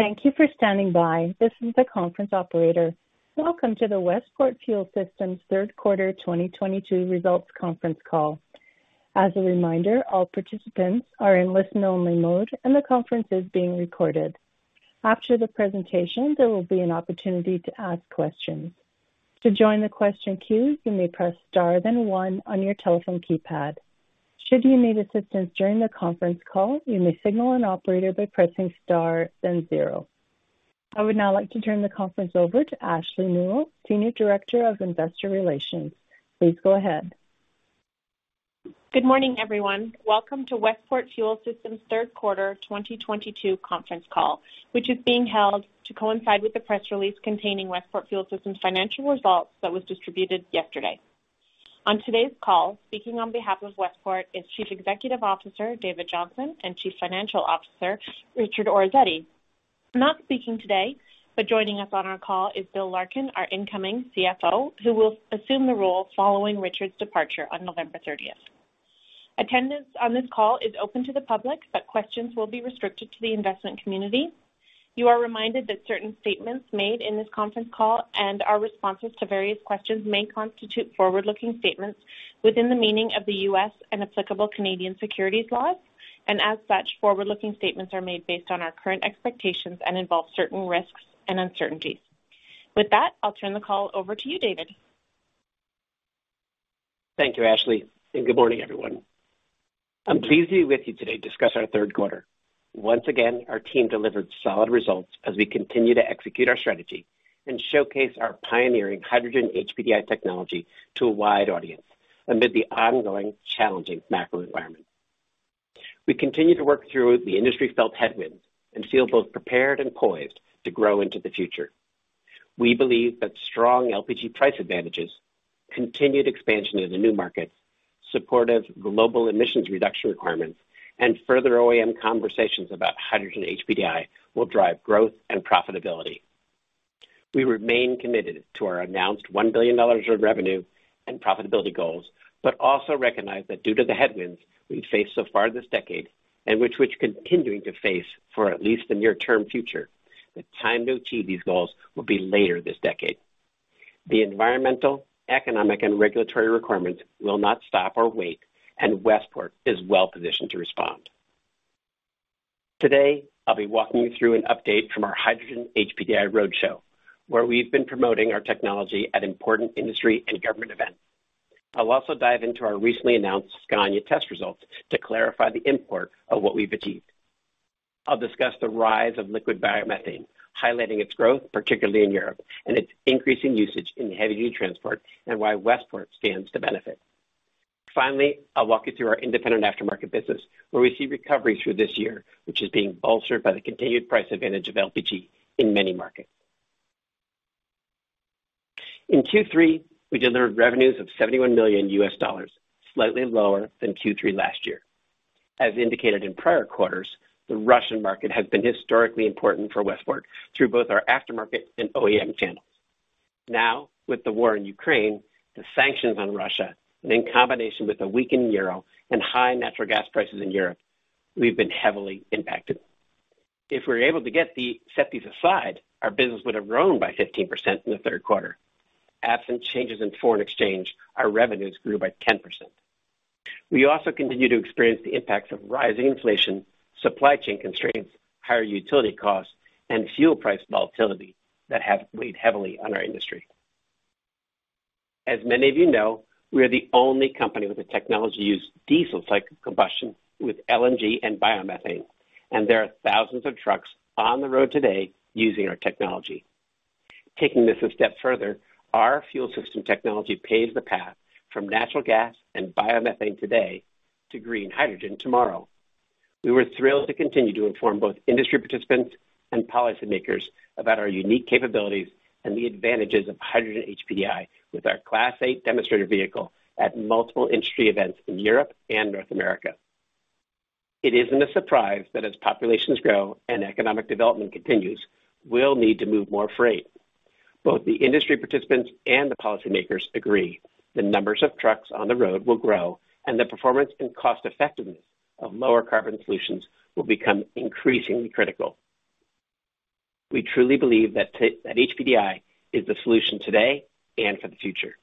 Thank you for standing by. This is the conference operator. Welcome to the Westport Fuel Systems third quarter 2022 results conference call. As a reminder, all participants are in listen only mode. The conference is being recorded. After the presentation, there will be an opportunity to ask questions. To join the question queue, you may press star then one on your telephone keypad. Should you need assistance during the conference call, you may signal an operator by pressing star then zero. I would now like to turn the conference over to Ashley Nuell, Senior Director of Investor Relations. Please go ahead. Good morning, everyone. Welcome to Westport Fuel Systems third quarter 2022 conference call, which is being held to coincide with the press release containing Westport Fuel Systems financial results that was distributed yesterday. On today's call, speaking on behalf of Westport is Chief Executive Officer David Johnson and Chief Financial Officer Richard Orazietti. Not speaking today, but joining us on our call is Bill Larkin, our incoming CFO, who will assume the role following Richard's departure on November 30th. Attendance on this call is open to the public. Questions will be restricted to the investment community. You are reminded that certain statements made in this conference call and our responses to various questions may constitute forward-looking statements within the meaning of the U.S. and applicable Canadian securities laws. As such, forward-looking statements are made based on our current expectations and involve certain risks and uncertainties. With that, I'll turn the call over to you, David. Thank you, Ashley. Good morning, everyone. I'm pleased to be with you today to discuss our third quarter. Once again, our team delivered solid results as we continue to execute our strategy and showcase our pioneering hydrogen HPDI technology to a wide audience amid the ongoing challenging macro environment. We continue to work through the industry felt headwinds and feel both prepared and poised to grow into the future. We believe that strong LPG price advantages, continued expansion into new markets, supportive global emissions reduction requirements, and further OEM conversations about hydrogen HPDI will drive growth and profitability. We remain committed to our announced $1 billion of revenue and profitability goals. Also recognize that due to the headwinds we've faced so far this decade and which we're continuing to face for at least the near term future, the time to achieve these goals will be later this decade. The environmental, economic, and regulatory requirements will not stop or wait, Westport is well positioned to respond. Today, I'll be walking you through an update from our Hydrogen HPDI Roadshow, where we've been promoting our technology at important industry and government events. I'll also dive into our recently announced Scania test results to clarify the import of what we've achieved. I'll discuss the rise of liquid biomethane, highlighting its growth, particularly in Europe, and its increasing usage in heavy-duty transport and why Westport stands to benefit. Finally, I'll walk you through our independent aftermarket business, where we see recovery through this year, which is being bolstered by the continued price advantage of LPG in many markets. In Q3, we delivered revenues of $71 million, slightly lower than Q3 last year. As indicated in prior quarters, the Russian market has been historically important for Westport through both our aftermarket and OEM channels. Now, with the war in Ukraine, the sanctions on Russia, and in combination with the weakened euro and high natural gas prices in Europe, we've been heavily impacted. If we were able to set these aside, our business would have grown by 15% in the third quarter. Absent changes in foreign exchange, our revenues grew by 10%. We also continue to experience the impacts of rising inflation, supply chain constraints, higher utility costs, and fuel price volatility that have weighed heavily on our industry. As many of you know, we are the only company with the technology to use diesel cycle combustion with LNG and biomethane, and there are thousands of trucks on the road today using our technology. Taking this a step further, our fuel system technology paves the path from natural gas and biomethane today to green hydrogen tomorrow. We were thrilled to continue to inform both industry participants and policymakers about our unique capabilities and the advantages of hydrogen HPDI with our Class 8 demonstrator vehicle at multiple industry events in Europe and North America. It isn't a surprise that as populations grow and economic development continues, we'll need to move more freight. Both the industry participants and the policymakers agree the numbers of trucks on the road will grow and the performance and cost effectiveness of lower carbon solutions will become increasingly critical. We truly believe that HPDI is the solution today and for the future.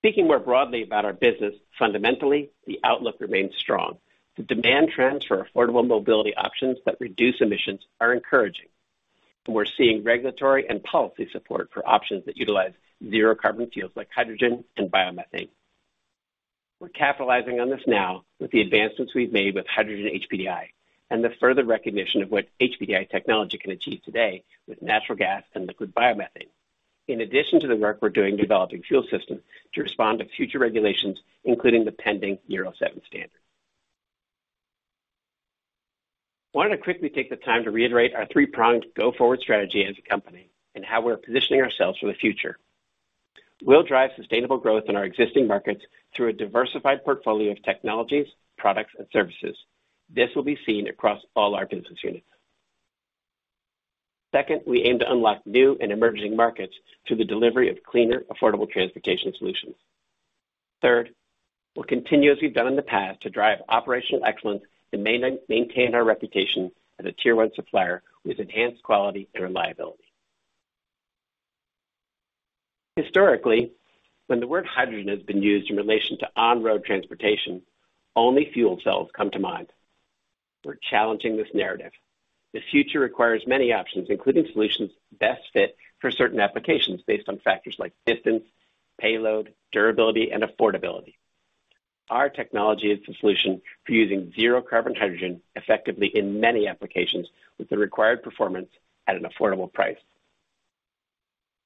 Speaking more broadly about our business, fundamentally, the outlook remains strong. The demand trends for affordable mobility options that reduce emissions are encouraging, we're seeing regulatory and policy support for options that utilize zero carbon fuels like hydrogen and biomethane. We're capitalizing on this now with the advancements we've made with hydrogen HPDI and the further recognition of what HPDI technology can achieve today with natural gas and liquid biomethane. In addition to the work we're doing developing fuel systems to respond to future regulations, including the pending Euro 7 standard. I wanted to quickly take the time to reiterate our three-pronged go-forward strategy as a company and how we're positioning ourselves for the future. We'll drive sustainable growth in our existing markets through a diversified portfolio of technologies, products, and services. This will be seen across all our business units. Second, we aim to unlock new and emerging markets through the delivery of cleaner, affordable transportation solutions. Third, we'll continue as we've done in the past to drive operational excellence and maintain our reputation as a tier 1 supplier with enhanced quality and reliability. Historically, when the word hydrogen has been used in relation to on-road transportation, only fuel cells come to mind. We're challenging this narrative. The future requires many options, including solutions best fit for certain applications based on factors like distance, payload, durability, and affordability. Our technology is the solution for using zero carbon hydrogen effectively in many applications with the required performance at an affordable price.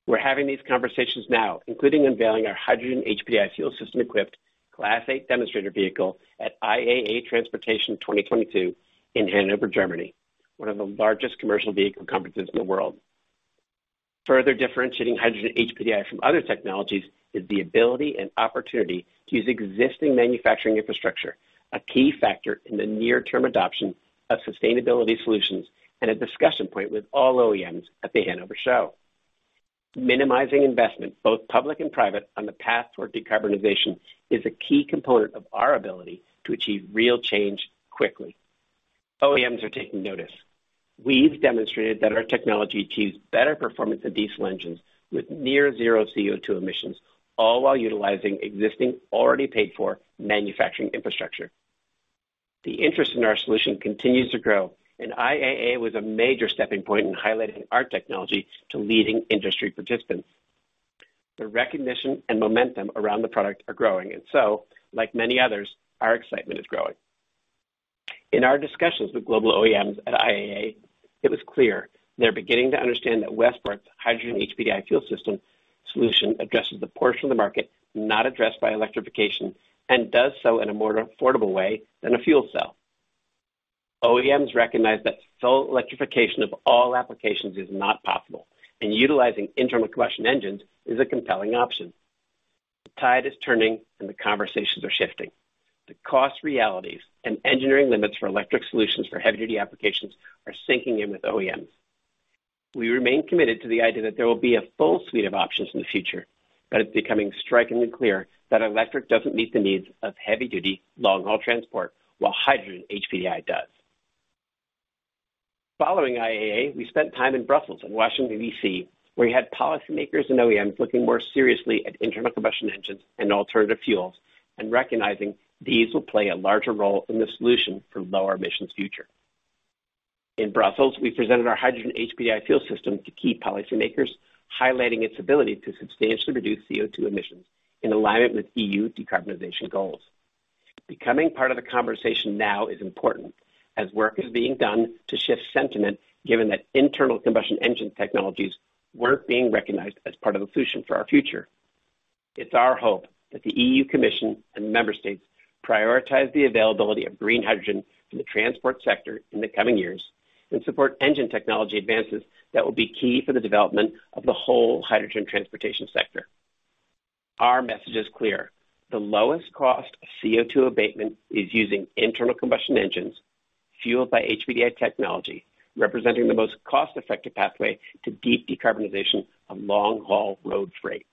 We're having these conversations now, including unveiling our hydrogen HPDI fuel system-equipped Class 8 demonstrator vehicle at IAA Transportation 2022 in Hanover, Germany, one of the largest commercial vehicle conferences in the world. Further differentiating hydrogen HPDI from other technologies is the ability and opportunity to use existing manufacturing infrastructure, a key factor in the near-term adoption of sustainability solutions and a discussion point with all OEMs at the Hanover Show. Minimizing investment, both public and private, on the path toward decarbonization is a key component of our ability to achieve real change quickly. OEMs are taking notice. We've demonstrated that our technology achieves better performance than diesel engines with near zero CO2 emissions, all while utilizing existing, already paid for, manufacturing infrastructure. The interest in our solution continues to grow, and IAA was a major stepping point in highlighting our technology to leading industry participants. The recognition and momentum around the product are growing, and so, like many others, our excitement is growing. In our discussions with global OEMs at IAA, it was clear they're beginning to understand that Westport's hydrogen HPDI fuel system solution addresses the portion of the market not addressed by electrification, and does so in a more affordable way than a fuel cell. OEMs recognize that sole electrification of all applications is not possible, and utilizing internal combustion engines is a compelling option. The tide is turning, and the conversations are shifting. The cost realities and engineering limits for electric solutions for heavy-duty applications are sinking in with OEMs. We remain committed to the idea that there will be a full suite of options in the future, but it's becoming strikingly clear that electric doesn't meet the needs of heavy-duty, long-haul transport, while hydrogen HPDI does. Following IAA, we spent time in Brussels and Washington, D.C., where we had policymakers and OEMs looking more seriously at internal combustion engines and alternative fuels and recognizing these will play a larger role in the solution for a low-emissions future. In Brussels, we presented our hydrogen HPDI fuel system to key policymakers, highlighting its ability to substantially reduce CO2 emissions in alignment with EU decarbonization goals. Becoming part of the conversation now is important as work is being done to shift sentiment given that internal combustion engine technologies weren't being recognized as part of the solution for our future. It's our hope that the EU Commission and member states prioritize the availability of green hydrogen in the transport sector in the coming years and support engine technology advances that will be key for the development of the whole hydrogen transportation sector. Our message is clear. The lowest cost of CO2 abatement is using internal combustion engines fueled by HPDI technology, representing the most cost-effective pathway to deep decarbonization of long-haul road freight.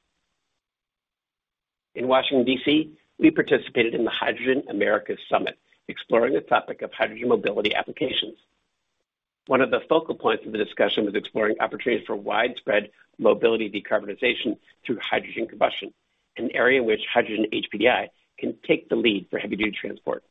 In Washington, D.C., we participated in the Hydrogen Americas Summit, exploring the topic of hydrogen mobility applications. One of the focal points of the discussion was exploring opportunities for widespread mobility decarbonization through hydrogen combustion, an area in which hydrogen HPDI can take the lead for heavy-duty transport.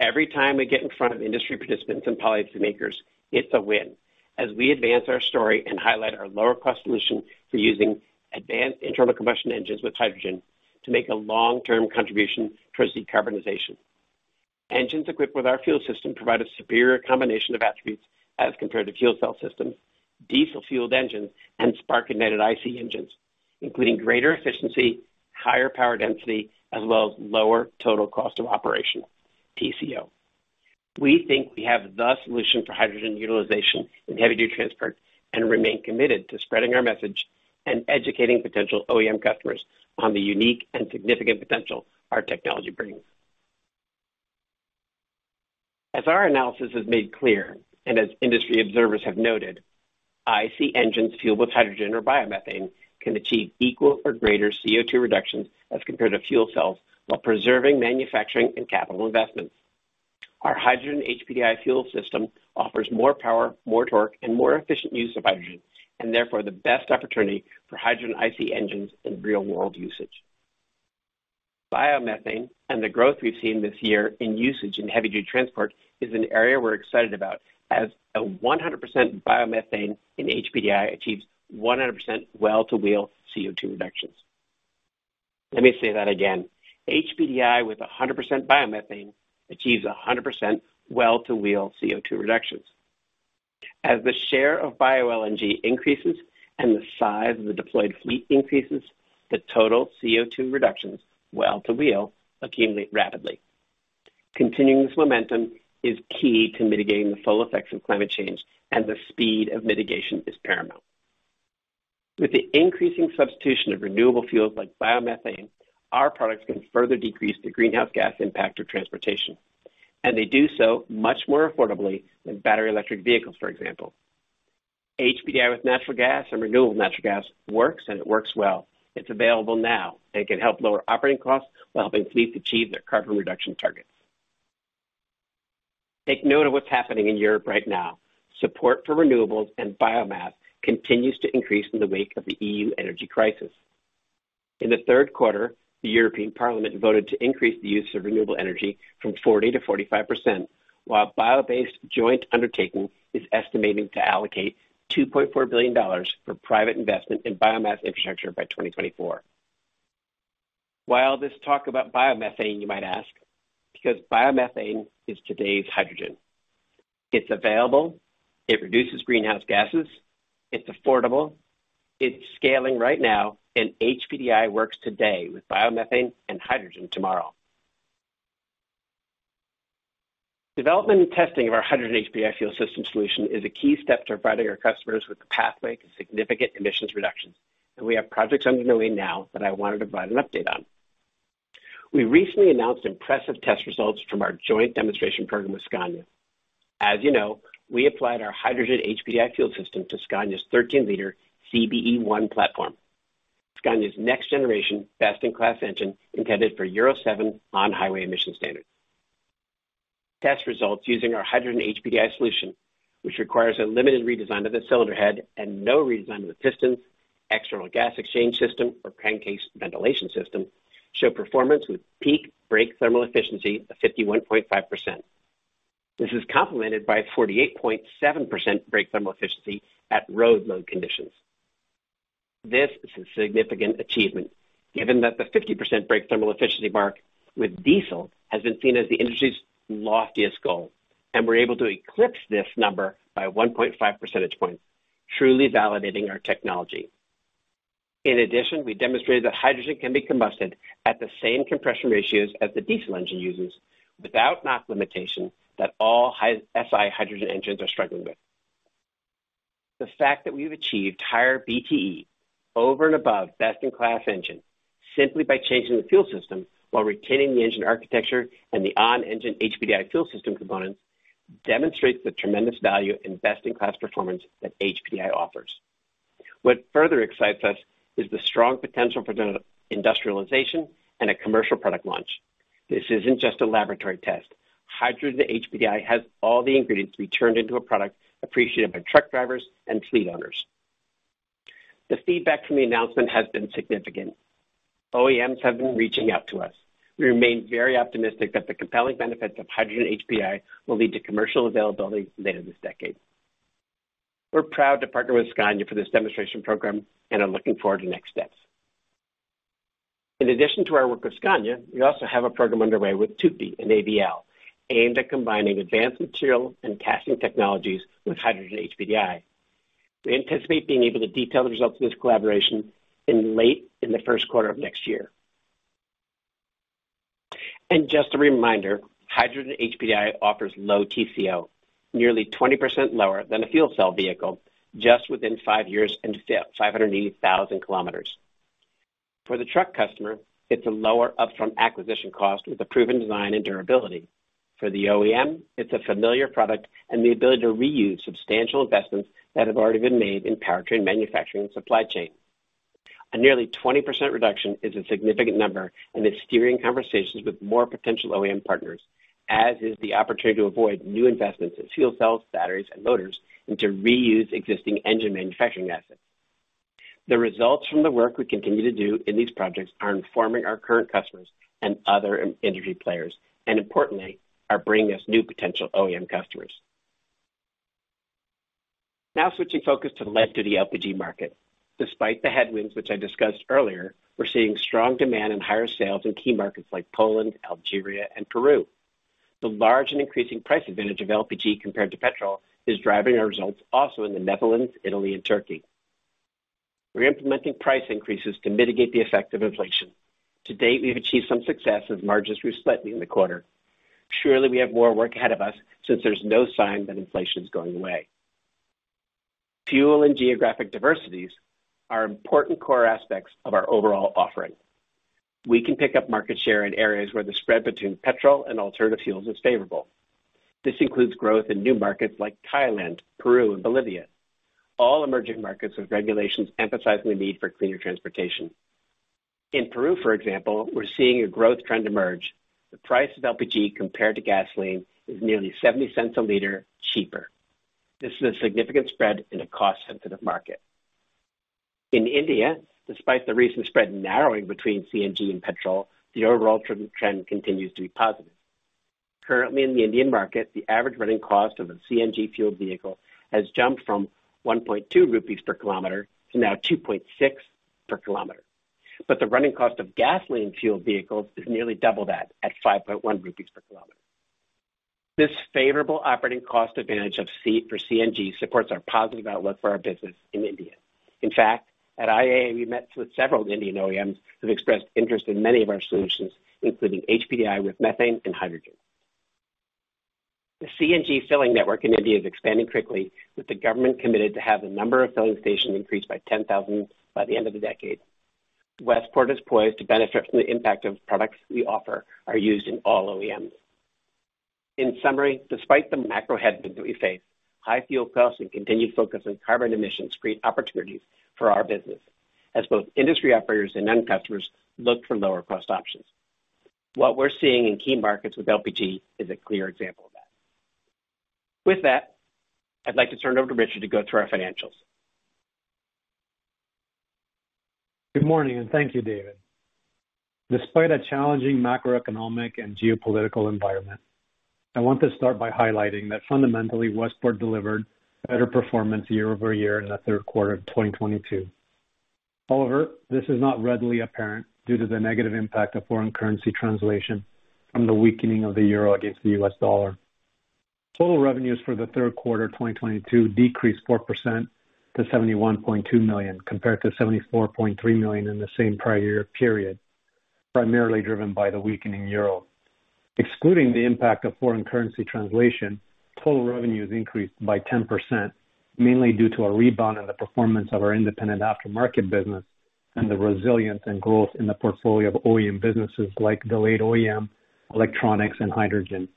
Every time we get in front of industry participants and policymakers, it is a win, as we advance our story and highlight our lower-cost solution for using advanced internal combustion engines with hydrogen to make a long-term contribution towards decarbonization. Engines equipped with our fuel system provide a superior combination of attributes as compared to fuel cell systems, diesel-fueled engines, and spark-ignited IC engines, including greater efficiency, higher power density, as well as lower total cost of operation, TCO. We think we have the solution for hydrogen utilization in heavy-duty transport and remain committed to spreading our message and educating potential OEM customers on the unique and significant potential our technology brings. As our analysis has made clear, and as industry observers have noted, IC engines fueled with hydrogen or biomethane can achieve equal or greater CO2 reductions as compared to fuel cells while preserving manufacturing and capital investments. Our hydrogen HPDI fuel system offers more power, more torque, and more efficient use of hydrogen, and therefore, the best opportunity for hydrogen IC engines in real-world usage. Biomethane and the growth we have seen this year in usage in heavy-duty transport is an area we are excited about as 100% biomethane in HPDI achieves 100% well-to-wheel CO2 reductions. Let me say that again. HPDI with 100% biomethane achieves 100% well-to-wheel CO2 reductions. As the share of bioLNG increases and the size of the deployed fleet increases, the total CO2 reductions, well-to-wheel, accumulate rapidly. Continuing this momentum is key to mitigating the full effects of climate change, and the speed of mitigation is paramount. With the increasing substitution of renewable fuels like biomethane, our products can further decrease the greenhouse gas impact of transportation, and they do so much more affordably than battery electric vehicles, for example. HPDI with natural gas and renewable natural gas works, and it works well. It is available now and can help lower operating costs while helping fleets achieve their carbon reduction targets. Take note of what is happening in Europe right now. Support for renewables and biomass continues to increase in the wake of the EU energy crisis. In the third quarter, the European Parliament voted to increase the use of renewable energy from 40% to 45%, while Bio-based Joint Undertaking is estimating to allocate $2.4 billion for private investment in biomass infrastructure by 2024. Why all this talk about biomethane, you might ask? Because biomethane is today's hydrogen. It is available, it reduces greenhouse gases, it is affordable, it is scaling right now, and HPDI works today with biomethane and hydrogen tomorrow. Development and testing of our hydrogen HPDI fuel system solution is a key step to providing our customers with a pathway to significant emissions reductions, and we have projects underway now that I wanted to provide an update on. We recently announced impressive test results from our joint demonstration program with Scania. As you know, we applied our hydrogen HPDI fuel system to Scania's 13-liter CBE1 platform, Scania's next generation best-in-class engine intended for Euro 7 on-highway emission standards. Test results using our hydrogen HPDI solution, which requires a limited redesign of the cylinder head and no redesign of the pistons, external gas exchange system, or crankcase ventilation system, show performance with peak brake thermal efficiency of 51.5%. This is complemented by 48.7% brake thermal efficiency at road load conditions. This is a significant achievement, given that the 50% brake thermal efficiency mark with diesel has been seen as the industry's loftiest goal, and we're able to eclipse this number by 1.5 percentage points, truly validating our technology. In addition, we demonstrated that hydrogen can be combusted at the same compression ratios as the diesel engine uses without knock limitation that all SI hydrogen engines are struggling with. The fact that we've achieved higher BTE over and above best-in-class engine simply by changing the fuel system while retaining the engine architecture and the on-engine HPDI fuel system components demonstrates the tremendous value in best-in-class performance that HPDI offers. What further excites us is the strong potential for industrialization and a commercial product launch. This isn't just a laboratory test. Hydrogen HPDI has all the ingredients to be turned into a product appreciated by truck drivers and fleet owners. The feedback from the announcement has been significant. OEMs have been reaching out to us. We remain very optimistic that the compelling benefits of hydrogen HPDI will lead to commercial availability later this decade. We're proud to partner with Scania for this demonstration program and are looking forward to next steps. In addition to our work with Scania, we also have a program underway with TUPY and AVL aimed at combining advanced material and casting technologies with hydrogen HPDI. We anticipate being able to detail the results of this collaboration late in the first quarter of next year. Just a reminder, hydrogen HPDI offers low TCO, nearly 20% lower than a fuel cell vehicle, just within five years and 580,000 kilometers. For the truck customer, it's a lower upfront acquisition cost with a proven design and durability. For the OEM, it's a familiar product and the ability to reuse substantial investments that have already been made in powertrain manufacturing and supply chain. A nearly 20% reduction is a significant number, and it's steering conversations with more potential OEM partners, as is the opportunity to avoid new investments in fuel cells, batteries, and motors, and to reuse existing engine manufacturing assets. The results from the work we continue to do in these projects are informing our current customers and other industry players, and importantly, are bringing us new potential OEM customers. Now switching focus to the LPG market. Despite the headwinds which I discussed earlier, we're seeing strong demand and higher sales in key markets like Poland, Algeria, and Peru. The large and increasing price advantage of LPG compared to petrol is driving our results also in the Netherlands, Italy, and Turkey. We're implementing price increases to mitigate the effect of inflation. To date, we've achieved some success as margins grew slightly in the quarter. Surely, we have more work ahead of us since there's no sign that inflation is going away. Fuel and geographic diversities are important core aspects of our overall offering. We can pick up market share in areas where the spread between petrol and alternative fuels is favorable. This includes growth in new markets like Thailand, Peru, and Bolivia, all emerging markets with regulations emphasizing the need for cleaner transportation. In Peru, for example, we're seeing a growth trend emerge. The price of LPG compared to gasoline is nearly $0.70 a liter cheaper. This is a significant spread in a cost-sensitive market. In India, despite the recent spread narrowing between CNG and petrol, the overall trend continues to be positive. Currently in the Indian market, the average running cost of a CNG-fueled vehicle has jumped from 1.2 rupees per kilometer to now 2.6 per kilometer. The running cost of gasoline-fueled vehicles is nearly double that, at 5.1 rupees per kilometer. This favorable operating cost advantage for CNG supports our positive outlook for our business in India. In fact, at IAA, we met with several Indian OEMs who have expressed interest in many of our solutions, including HPDI with methane and hydrogen. The CNG filling network in India is expanding quickly, with the government committed to have the number of filling stations increased by 10,000 by the end of the decade. Westport is poised to benefit from the impact of products we offer are used in all OEMs. In summary, despite the macro headwinds that we face, high fuel costs and continued focus on carbon emissions create opportunities for our business as both industry operators and end customers look for lower cost options. What we're seeing in key markets with LPG is a clear example of that. With that, I'd like to turn it over to Richard to go through our financials. Good morning, and thank you, David. Despite a challenging macroeconomic and geopolitical environment, I want to start by highlighting that fundamentally, Westport delivered better performance year-over-year in the third quarter of 2022. However, this is not readily apparent due to the negative impact of foreign currency translation from the weakening of the euro against the US dollar. Total revenues for the third quarter 2022 decreased 4% to $71.2 million, compared to $74.3 million in the same prior year period, primarily driven by the weakening euro. Excluding the impact of foreign currency translation, total revenues increased by 10%, mainly due to a rebound in the performance of our independent aftermarket business and the resilience and growth in the portfolio of OEM businesses like Delayed OEM, electronics, and hydrogen.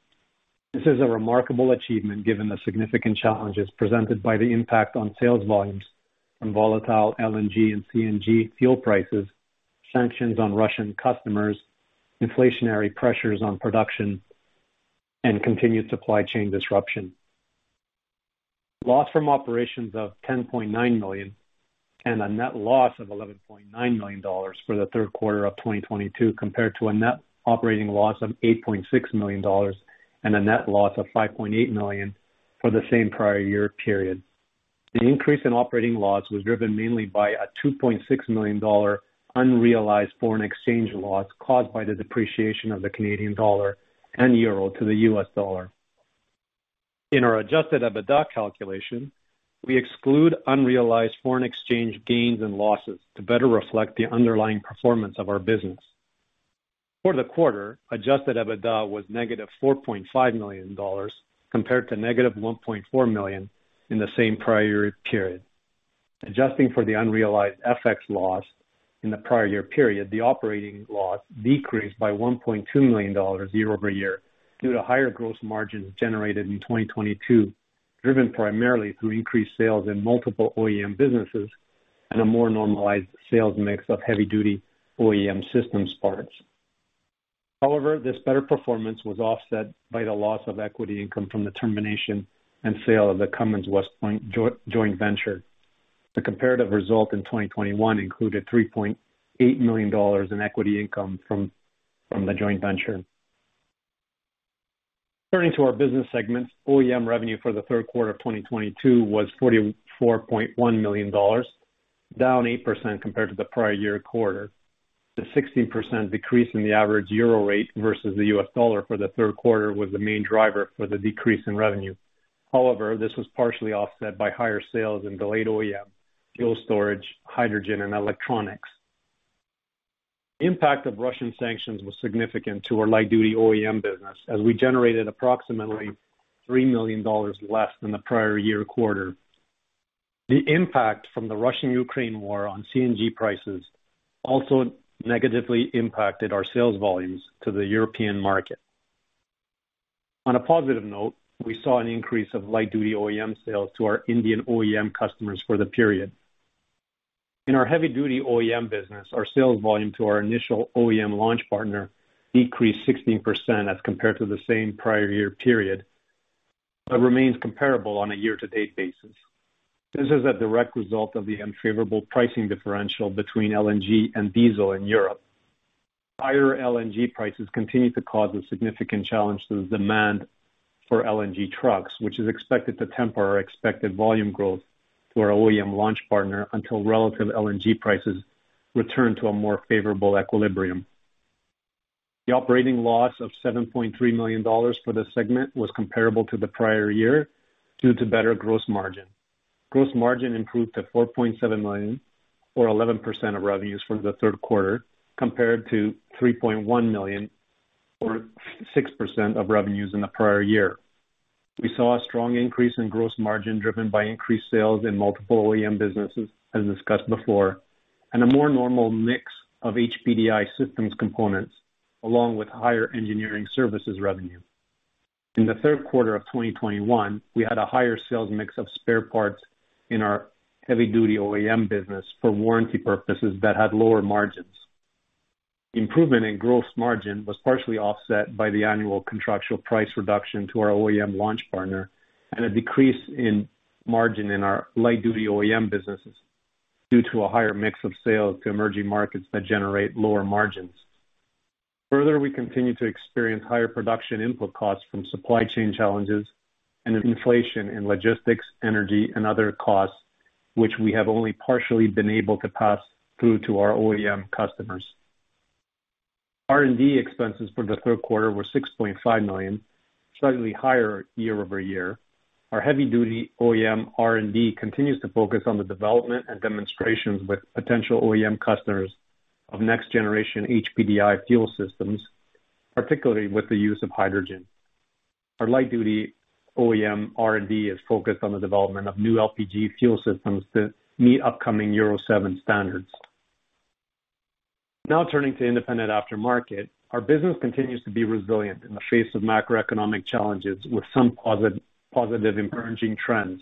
This is a remarkable achievement given the significant challenges presented by the impact on sales volumes from volatile LNG and CNG fuel prices, sanctions on Russian customers, inflationary pressures on production, and continued supply chain disruption. Loss from operations of $10.9 million and a net loss of $11.9 million for the third quarter of 2022 compared to a net operating loss of $8.6 million and a net loss of $5.8 million for the same prior year period. The increase in operating loss was driven mainly by a $2.6 million unrealized foreign exchange loss caused by the depreciation of the Canadian dollar and euro to the US dollar. In our adjusted EBITDA calculation, we exclude unrealized foreign exchange gains and losses to better reflect the underlying performance of our business. For the quarter, adjusted EBITDA was negative $4.5 million compared to negative $1.4 million in the same prior year period. Adjusting for the unrealized FX loss in the prior year period, the operating loss decreased by $1.2 million year-over-year due to higher gross margins generated in 2022, driven primarily through increased sales in multiple OEM businesses and a more normalized sales mix of heavy-duty OEM systems parts. This better performance was offset by the loss of equity income from the termination and sale of the Cummins Westport joint venture. The comparative result in 2021 included $3.8 million in equity income from the joint venture. Turning to our business segments, OEM revenue for the third quarter of 2022 was $44.1 million, down 8% compared to the prior year quarter. The 16% decrease in the average euro rate versus the US dollar for the third quarter was the main driver for the decrease in revenue. This was partially offset by higher sales in delayed OEM, fuel storage, hydrogen, and electronics. Impact of Russian sanctions was significant to our light-duty OEM business as we generated approximately $3 million less than the prior year quarter. The impact from the Russian-Ukraine War on CNG prices also negatively impacted our sales volumes to the European market. On a positive note, we saw an increase of light-duty OEM sales to our Indian OEM customers for the period. In our heavy-duty OEM business, our sales volume to our initial OEM launch partner decreased 16% as compared to the same prior year period, but remains comparable on a year-to-date basis. This is a direct result of the unfavorable pricing differential between LNG and diesel in Europe. Higher LNG prices continue to cause a significant challenge to the demand for LNG trucks, which is expected to temper our expected volume growth to our OEM launch partner until relative LNG prices return to a more favorable equilibrium. The operating loss of $7.3 million for this segment was comparable to the prior year due to better gross margin. Gross margin improved to $4.7 million or 11% of revenues for the third quarter compared to $3.1 million or 6% of revenues in the prior year. We saw a strong increase in gross margin driven by increased sales in multiple OEM businesses, as discussed before, and a more normal mix of HPDI systems components along with higher engineering services revenue. In the third quarter of 2021, we had a higher sales mix of spare parts in our heavy-duty OEM business for warranty purposes that had lower margins. Improvement in gross margin was partially offset by the annual contractual price reduction to our OEM launch partner and a decrease in margin in our light-duty OEM businesses due to a higher mix of sales to emerging markets that generate lower margins. We continue to experience higher production input costs from supply chain challenges and inflation in logistics, energy, and other costs, which we have only partially been able to pass through to our OEM customers. R&D expenses for the third quarter were $6.5 million, slightly higher year-over-year. Our heavy-duty OEM R&D continues to focus on the development and demonstrations with potential OEM customers of next generation HPDI fuel systems, particularly with the use of hydrogen. Our light-duty OEM R&D is focused on the development of new LPG fuel systems to meet upcoming Euro 7 standards. Now turning to independent aftermarket. Our business continues to be resilient in the face of macroeconomic challenges, with some positive emerging trends.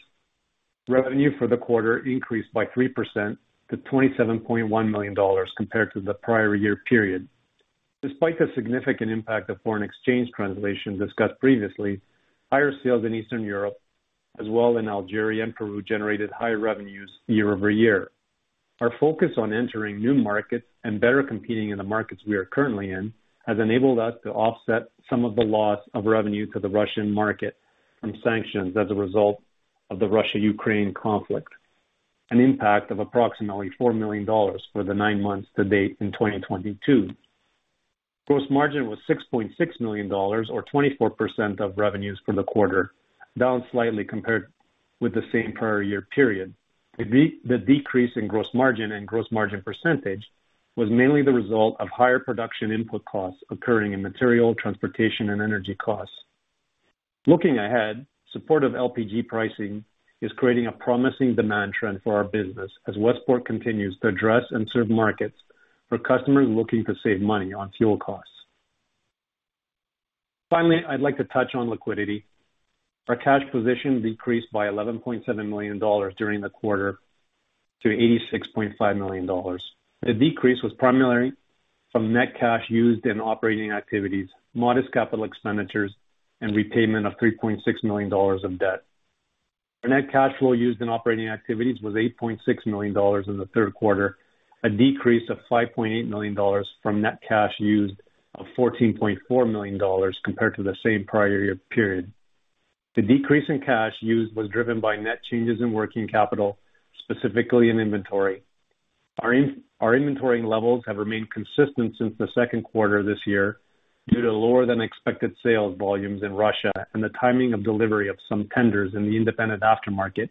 Revenue for the quarter increased by 3% to $27.1 million compared to the prior year period. Despite the significant impact of foreign exchange translations discussed previously, higher sales in Eastern Europe as well in Algeria and Peru generated higher revenues year-over-year. Our focus on entering new markets and better competing in the markets we are currently in has enabled us to offset some of the loss of revenue to the Russian market from sanctions as a result of the Russia-Ukraine conflict, an impact of approximately $4 million for the nine months to date in 2022. Gross margin was $6.6 million, or 24% of revenues for the quarter, down slightly compared with the same prior year period. The decrease in gross margin and gross margin percentage was mainly the result of higher production input costs occurring in material, transportation, and energy costs. Looking ahead, supportive LPG pricing is creating a promising demand trend for our business as Westport continues to address and serve markets for customers looking to save money on fuel costs. Finally, I'd like to touch on liquidity. Our cash position decreased by $11.7 million during the quarter to $86.5 million. The decrease was primarily from net cash used in operating activities, modest capital expenditures, and repayment of $3.6 million of debt. Our net cash flow used in operating activities was $8.6 million in the third quarter, a decrease of $5.8 million from net cash used of $14.4 million compared to the same prior-year period. The decrease in cash used was driven by net changes in working capital, specifically in inventory. Our inventory levels have remained consistent since the second quarter of this year due to lower than expected sales volumes in Russia and the timing of delivery of some tenders in the independent aftermarket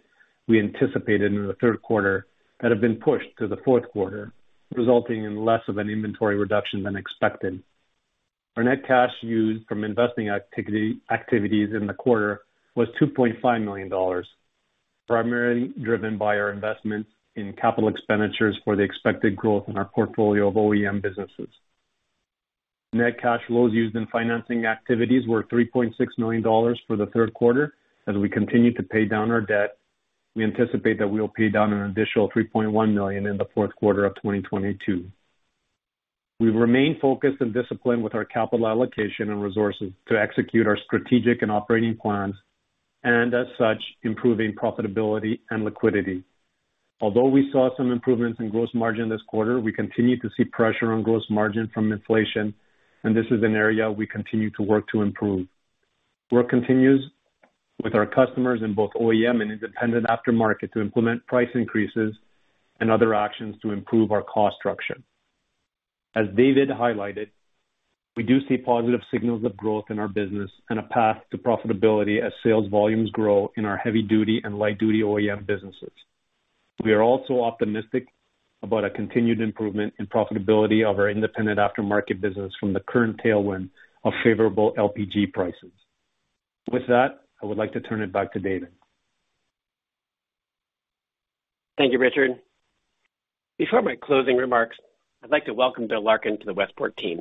we anticipated in the third quarter that have been pushed to the fourth quarter, resulting in less of an inventory reduction than expected. Our net cash used from investing activities in the quarter was $2.5 million, primarily driven by our investment in capital expenditures for the expected growth in our portfolio of OEM businesses. Net cash flows used in financing activities were $3.6 million for the third quarter, as we continue to pay down our debt. We anticipate that we'll pay down an additional $3.1 million in the fourth quarter of 2022. We remain focused and disciplined with our capital allocation and resources to execute our strategic and operating plans. As such, improving profitability and liquidity. Although we saw some improvements in gross margin this quarter, we continue to see pressure on gross margin from inflation. This is an area we continue to work to improve. Work continues with our customers in both OEM and independent aftermarket to implement price increases and other actions to improve our cost structure. As David highlighted, we do see positive signals of growth in our business and a path to profitability as sales volumes grow in our heavy-duty and light-duty OEM businesses. We are also optimistic about a continued improvement in profitability of our independent aftermarket business from the current tailwind of favorable LPG prices. With that, I would like to turn it back to David. Thank you, Richard. Before my closing remarks, I'd like to welcome Bill Larkin to the Westport team.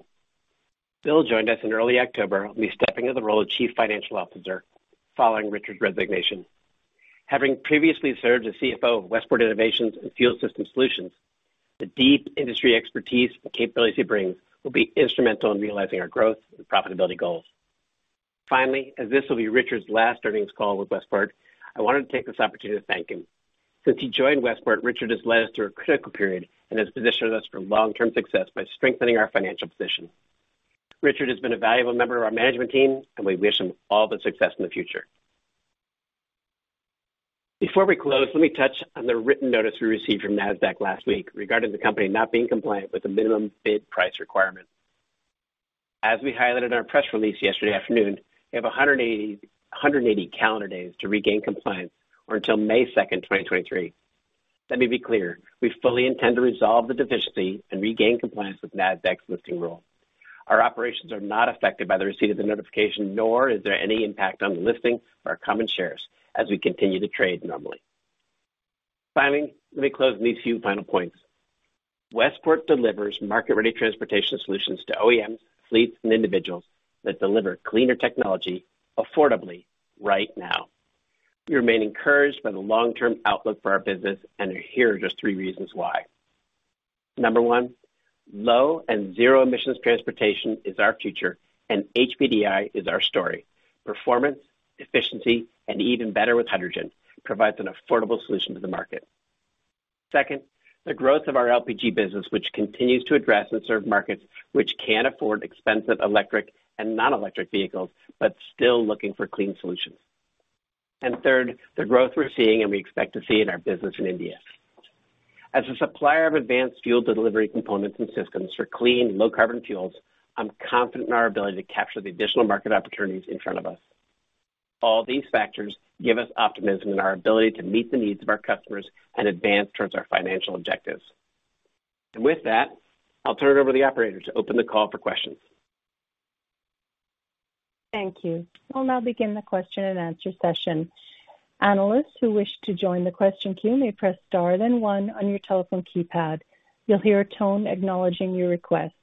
Bill joined us in early October and will be stepping into the role of Chief Financial Officer following Richard's resignation. Having previously served as CFO of Westport Innovations and Fuel Systems Solutions, the deep industry expertise and capabilities he brings will be instrumental in realizing our growth and profitability goals. As this will be Richard's last earnings call with Westport, I wanted to take this opportunity to thank him. Since he joined Westport, Richard has led us through a critical period and has positioned us for long-term success by strengthening our financial position. Richard has been a valuable member of our management team. We wish him all the success in the future. Before we close, let me touch on the written notice we received from Nasdaq last week regarding the company not being compliant with the minimum bid price requirement. As we highlighted in our press release yesterday afternoon, we have 180 calendar days to regain compliance or until May 2nd, 2023. Let me be clear, we fully intend to resolve the deficiency and regain compliance with Nasdaq's listing rule. Our operations are not affected by the receipt of the notification, nor is there any impact on the listing of our common shares as we continue to trade normally. Let me close with these few final points. Westport delivers market-ready transportation solutions to OEMs, fleets, and individuals that deliver cleaner technology affordably, right now. We remain encouraged by the long-term outlook for our business. Here are just three reasons why. Number one, low and zero-emissions transportation is our future. HPDI is our story. Performance, efficiency, even better with hydrogen provides an affordable solution to the market. Second, the growth of our LPG business, which continues to address and serve markets which can't afford expensive electric and non-electric vehicles, still looking for clean solutions. Third, the growth we're seeing and we expect to see in our business in India. As a supplier of advanced fuel delivery components and systems for clean and low carbon fuels, I'm confident in our ability to capture the additional market opportunities in front of us. All these factors give us optimism in our ability to meet the needs of our customers and advance towards our financial objectives. With that, I'll turn it over to the operator to open the call for questions. Thank you. I'll now begin the question and answer session. Analysts who wish to join the question queue may press star then one on your telephone keypad. You'll hear a tone acknowledging your request.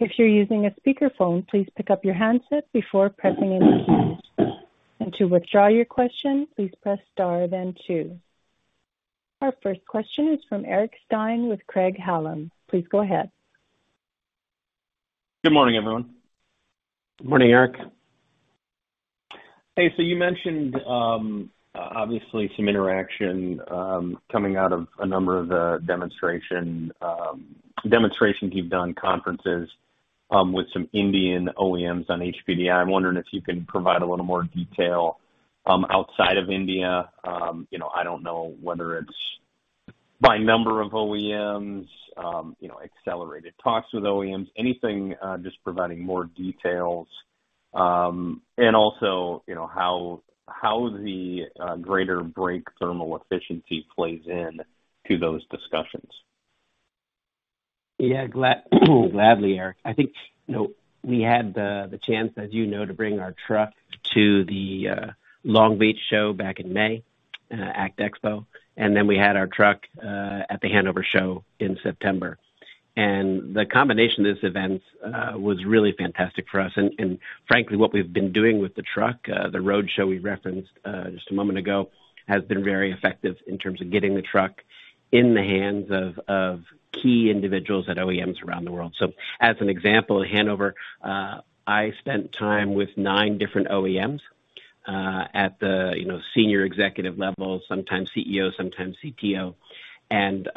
If you're using a speakerphone, please pick up your handset before pressing any keys. To withdraw your question, please press star then two. Our first question is from Eric Stine with Craig-Hallum. Please go ahead. Good morning, everyone. Good morning, Eric. Hey, you mentioned, obviously some interaction coming out of a number of the demonstrations you've done, conferences with some Indian OEMs on HPDI. I'm wondering if you can provide a little more detail outside of India. I don't know whether it's by number of OEMs, accelerated talks with OEMs, anything, just providing more details. Also, how the greater brake thermal efficiency plays in to those discussions. Yeah, gladly, Eric. I think we had the chance, as you know, to bring our truck to the Long Beach show back in May, ACT Expo. We had our truck at the Hanover Show in September. The combination of those events was really fantastic for us. Frankly, what we've been doing with the truck, the road show we referenced just a moment ago, has been very effective in terms of getting the truck in the hands of key individuals at OEMs around the world. As an example, at Hanover, I spent time with nine different OEMs, at the senior executive level, sometimes CEO, sometimes CTO, and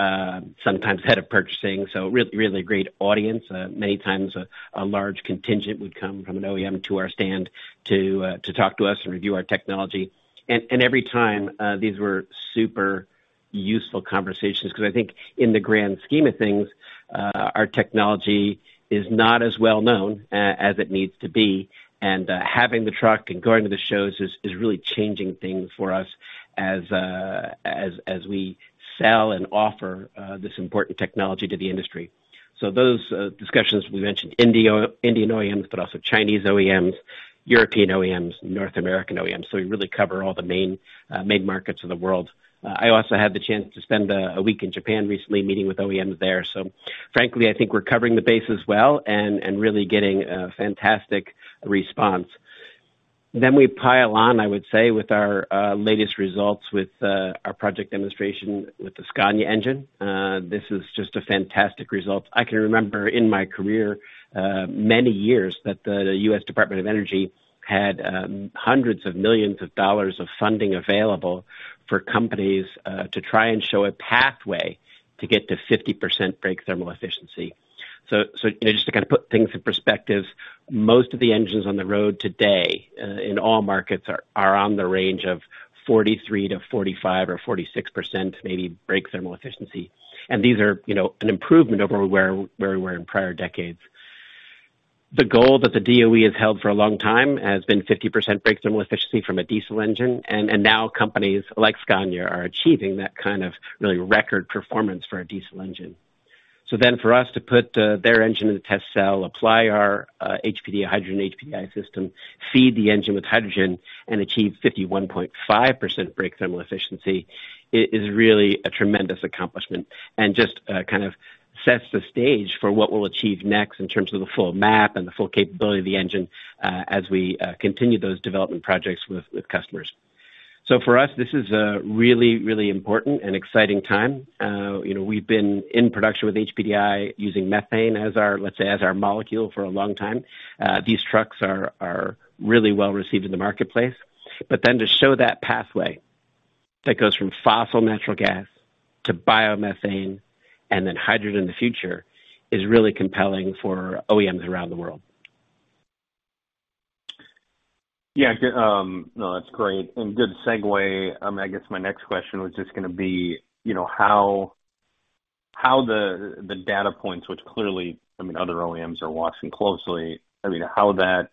sometimes head of purchasing. Really a great audience. Many times a large contingent would come from an OEM to our stand to talk to us and review our technology. Every time, these were super useful conversations, because I think in the grand scheme of things, our technology is not as well known as it needs to be. Having the truck and going to the shows is really changing things for us as we sell and offer this important technology to the industry. Those discussions we mentioned, Indian OEMs, but also Chinese OEMs, European OEMs, North American OEMs. We really cover all the main markets of the world. I also had the chance to spend a week in Japan recently meeting with OEMs there. Frankly, I think we're covering the bases well and really getting a fantastic response. We pile on, I would say, with our latest results with our project demonstration with the Scania engine. This is just a fantastic result. I can remember in my career, many years that the U.S. Department of Energy had hundreds of millions of dollars of funding available for companies to try and show a pathway to get to 50% brake thermal efficiency. Just to kind of put things in perspective, most of the engines on the road today in all markets are on the range of 43%-45% or 46%, maybe brake thermal efficiency. These are an improvement over where we were in prior decades. The goal that the DOE has held for a long time has been 50% brake thermal efficiency from a diesel engine. Now companies like Scania are achieving that kind of really record performance for a diesel engine. For us to put their engine in the test cell, apply our hydrogen HPDI system, feed the engine with hydrogen and achieve 51.5% brake thermal efficiency, is really a tremendous accomplishment. Just kind of sets the stage for what we'll achieve next in terms of the full map and the full capability of the engine as we continue those development projects with customers. For us, this is a really, really important and exciting time. We've been in production with HPDI using methane as our, let's say, as our molecule for a long time. These trucks are really well received in the marketplace. To show that pathway that goes from fossil natural gas to biomethane and then hydrogen in the future is really compelling for OEMs around the world. Yeah, no, that's great. Good segue. I guess my next question was just going to be how the data points, which clearly, I mean, other OEMs are watching closely. I mean, how that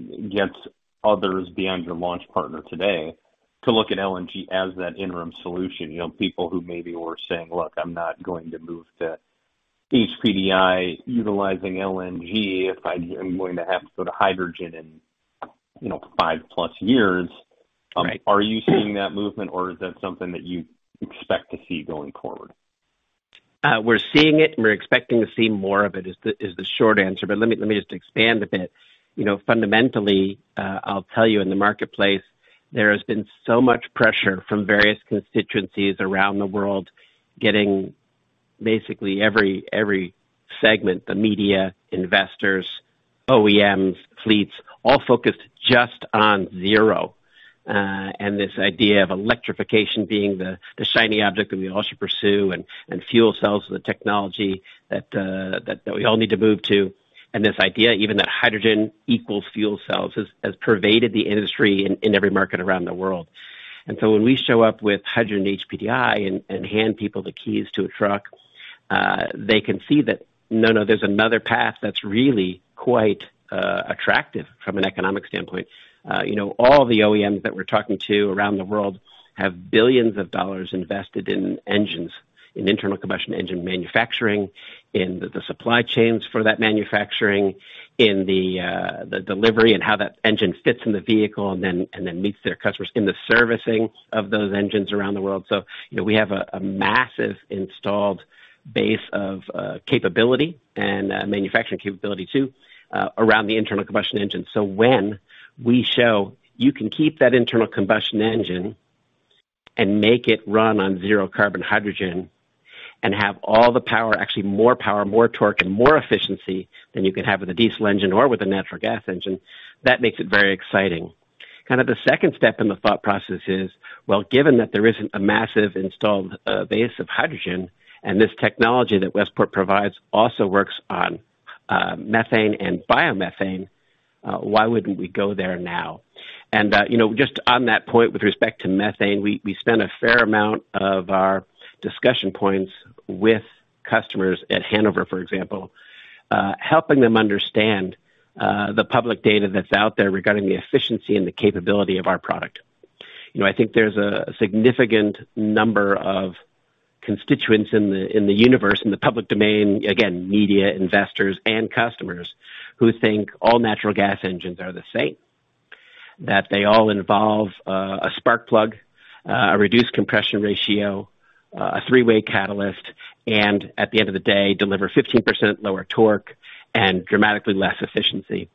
gets others beyond your launch partner today to look at LNG as that interim solution. People who maybe were saying, "Look, I'm not going to move to HPDI utilizing LNG if I'm going to have to go to hydrogen in 5+ years. Right. Are you seeing that movement or is that something that you expect to see going forward? We're seeing it and we're expecting to see more of it is the short answer, but let me just expand a bit. Fundamentally, I'll tell you in the marketplace, there has been so much pressure from various constituencies around the world getting basically every segment, the media, investors, OEMs, fleets, all focused just on zero. This idea of electrification being the shiny object that we all should pursue and fuel cells are the technology that we all need to move to. This idea even that hydrogen equals fuel cells has pervaded the industry in every market around the world. When we show up with hydrogen HPDI and hand people the keys to a truck. They can see that no, there's another path that's really quite attractive from an economic standpoint. All the OEMs that we're talking to around the world have $ billions invested in engines, in internal combustion engine manufacturing, in the supply chains for that manufacturing, in the delivery and how that engine fits in the vehicle and then meets their customers in the servicing of those engines around the world. We have a massive installed base of capability and manufacturing capability too around the internal combustion engine. When we show you can keep that internal combustion engine and make it run on zero carbon hydrogen and have all the power, actually more power, more torque, and more efficiency than you can have with a diesel engine or with a natural gas engine, that makes it very exciting. The second step in the thought process is, well, given that there isn't a massive installed base of hydrogen, and this technology that Westport provides also works on methane and biomethane, why wouldn't we go there now? Just on that point with respect to methane, we spent a fair amount of our discussion points with customers at Hanover, for example, helping them understand the public data that's out there regarding the efficiency and the capability of our product. I think there's a significant number of constituents in the universe, in the public domain, again, media investors and customers who think all natural gas engines are the same, that they all involve a spark plug, a reduced compression ratio, a three-way catalyst, and at the end of the day, deliver 15% lower torque and dramatically less efficiency.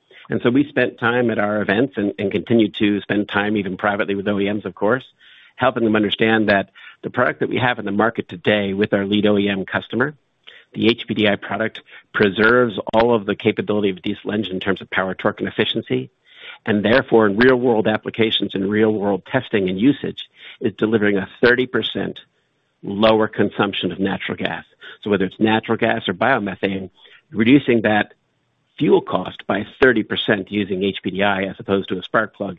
We spent time at our events and continue to spend time even privately with OEMs, of course, helping them understand that the product that we have in the market today with our lead OEM customer, the HPDI product, preserves all of the capability of a diesel engine in terms of power, torque, and efficiency. Therefore, in real world applications and real world testing and usage, is delivering a 30% lower consumption of natural gas. Whether it's natural gas or biomethane, reducing that fuel cost by 30% using HPDI as opposed to a spark plug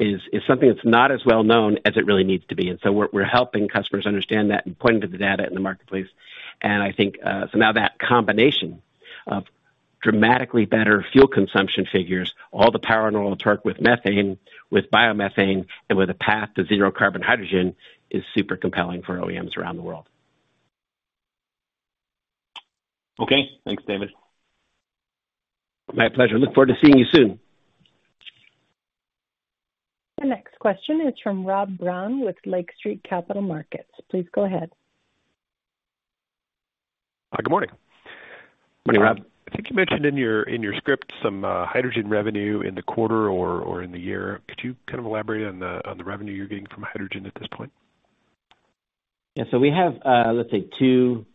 is something that's not as well known as it really needs to be. We're helping customers understand that and pointing to the data in the marketplace. I think so now that combination of dramatically better fuel consumption figures, all the power and all the torque with methane, with biomethane, and with a path to zero carbon hydrogen is super compelling for OEMs around the world. Okay, thanks, David. My pleasure. Look forward to seeing you soon. The next question is from Rob Brown with Lake Street Capital Markets. Please go ahead. Hi, good morning. Morning, Rob. I think you mentioned in your script some hydrogen revenue in the quarter or in the year. Could you kind of elaborate on the revenue you're getting from hydrogen at this point? Yeah. We have, let's say, two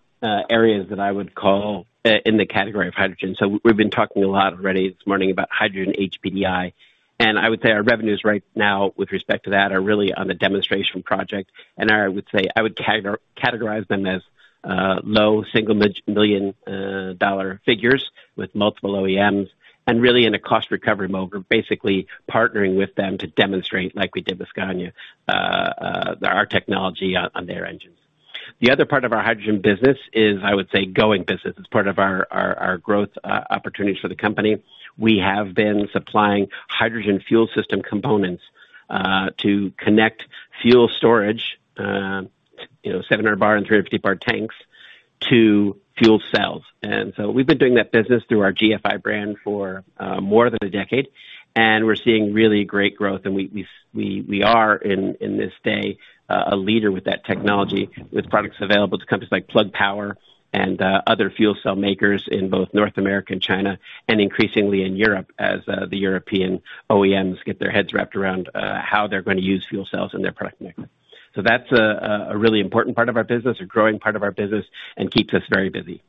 areas that I would call in the category of hydrogen. We've been talking a lot already this morning about hydrogen HPDI, and I would say our revenues right now with respect to that are really on a demonstration project. I would say I would categorize them as low single million dollar figures with multiple OEMs and really in a cost recovery mode. We're basically partnering with them to demonstrate, like we did with Scania, our technology on their engines. The other part of our hydrogen business is, I would say, going business as part of our growth opportunities for the company. We have been supplying hydrogen fuel system components to connect fuel storage, 700 bar and 350 bar tanks to fuel cells. We've been doing that business through our GFI brand for more than a decade, and we're seeing really great growth. We are in this day a leader with that technology, with products available to companies like Plug Power and other fuel cell makers in both North America and China and increasingly in Europe as the European OEMs get their heads wrapped around how they're going to use fuel cells in their product mix. That's a really important part of our business, a growing part of our business, and keeps us very busy.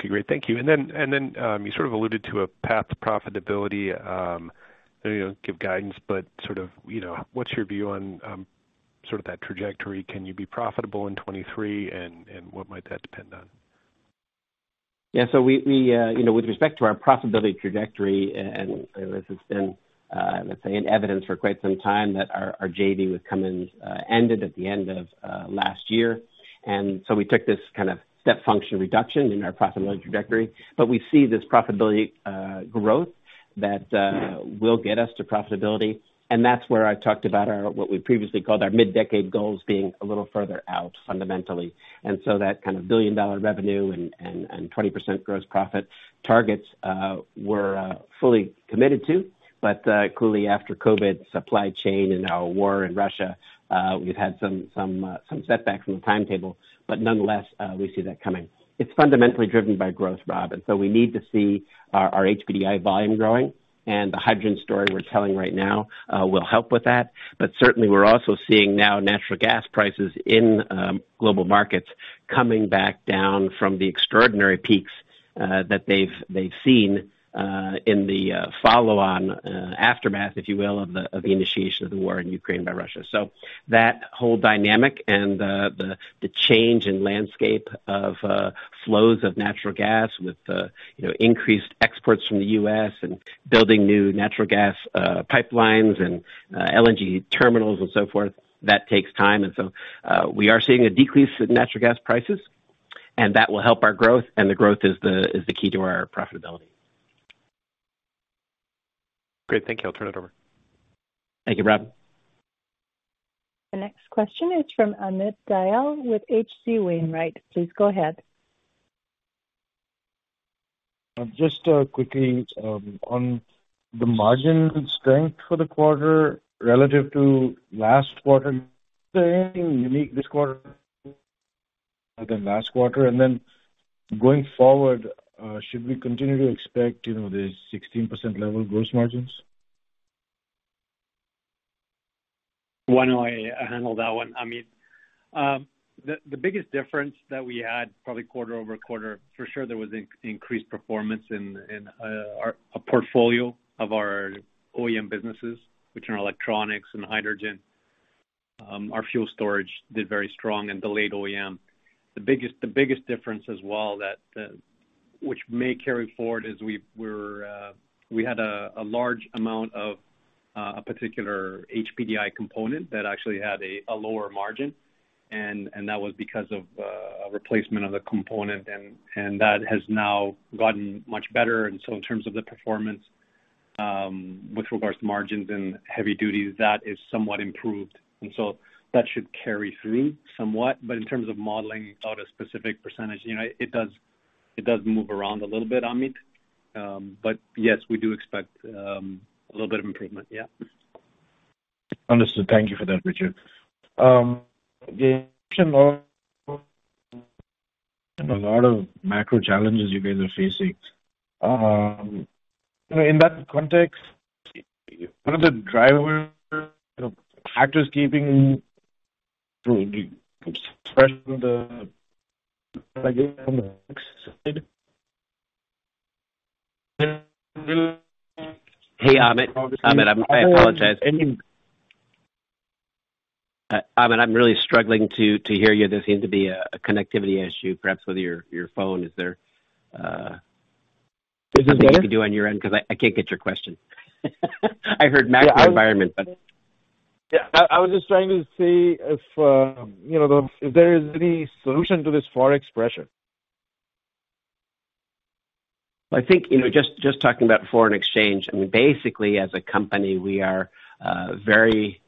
Okay, great. Thank you. Then you sort of alluded to a path to profitability. I know you don't give guidance, but sort of what's your view on sort of that trajectory? Can you be profitable in 2023? What might that depend on? Yeah. With respect to our profitability trajectory, this has been, let's say, in evidence for quite some time that our JV with Cummins ended at the end of last year. We took this kind of step function reduction in our profitability trajectory. We see this profitability growth that will get us to profitability. That's where I talked about what we previously called our mid-decade goals being a little further out fundamentally. That kind of billion-dollar revenue and 20% gross profit targets were fully committed to. Clearly after COVID supply chain and now war in Russia, we've had some setbacks from the timetable, but nonetheless, we see that coming. It's fundamentally driven by growth, Rob. We need to see our HPDI volume growing and the hydrogen story we're telling right now will help with that. Certainly we're also seeing now natural gas prices in global markets coming back down from the extraordinary peaks that they've seen in the follow on aftermath, if you will, of the initiation of the war in Ukraine by Russia. That whole dynamic and the change in landscape of flows of natural gas with increased exports from the U.S. and building new natural gas pipelines and LNG terminals and so forth, that takes time. We are seeing a decrease in natural gas prices. That will help our growth. The growth is the key to our profitability. Great. Thank you. I'll turn it over. Thank you, Rob. The next question is from Amit Dayal with H.C. Wainwright. Please go ahead. Just quickly, on the margin strength for the quarter relative to last quarter, anything unique this quarter than last quarter? Going forward, should we continue to expect the 16% level gross margins? Why don't I handle that one, Amit? The biggest difference that we had probably quarter-over-quarter, for sure there was increased performance in our portfolio of our OEM businesses, which are electronics and hydrogen. Our fuel storage did very strong and delayed OEM. The biggest difference as well, which may carry forward, is we had a large amount of a particular HPDI component that actually had a lower margin, and that was because of a replacement of the component, and that has now gotten much better. In terms of the performance with regards to margins and heavy duty, that is somewhat improved. That should carry through somewhat. In terms of modeling out a specific percentage, it does move around a little bit, Amit. Yes, we do expect a little bit of improvement. Yeah. Understood. Thank you for that, Richard. a lot of macro challenges you guys are facing. In that context? Hey, Amit. Amit, I apologize. Amit, I'm really struggling to hear you. There seems to be a connectivity issue, perhaps with your phone. Is there- Is it better? - something you can do on your end, because I can't get your question. I heard macro environment. Yeah, I was just trying to see if there is any solution to this forex pressure. I think, just talking about foreign exchange, I mean, basically as a company, we are very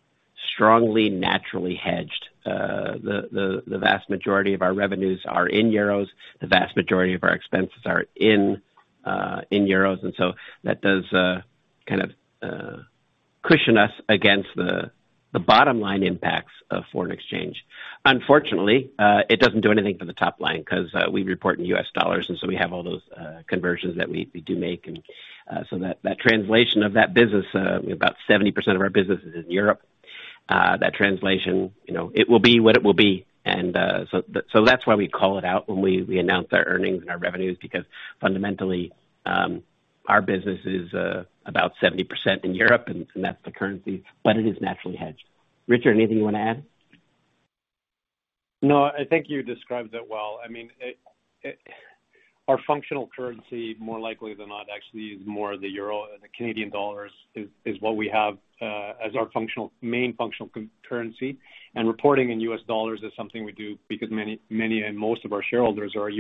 strongly naturally hedged. The vast majority of our revenues are in euros. The vast majority of our expenses are in euros, that does kind of cushion us against the bottom line impacts of foreign exchange. Unfortunately, it doesn't do anything for the top line because we report in U.S. dollars, we have all those conversions that we do make. That translation of that business, about 70% of our business is in Europe. That translation, it will be what it will be. That's why we call it out when we announce our earnings and our revenues, because fundamentally our business is about 70% in Europe and that's the currency, but it is naturally hedged. Richard, anything you want to add? No, I think you described it well. I mean, our functional currency more likely than not actually is more the euro and the Canadian dollar is what we have as our main functional currency. Reporting in U.S. dollars is something we do because many and most of our shareholders are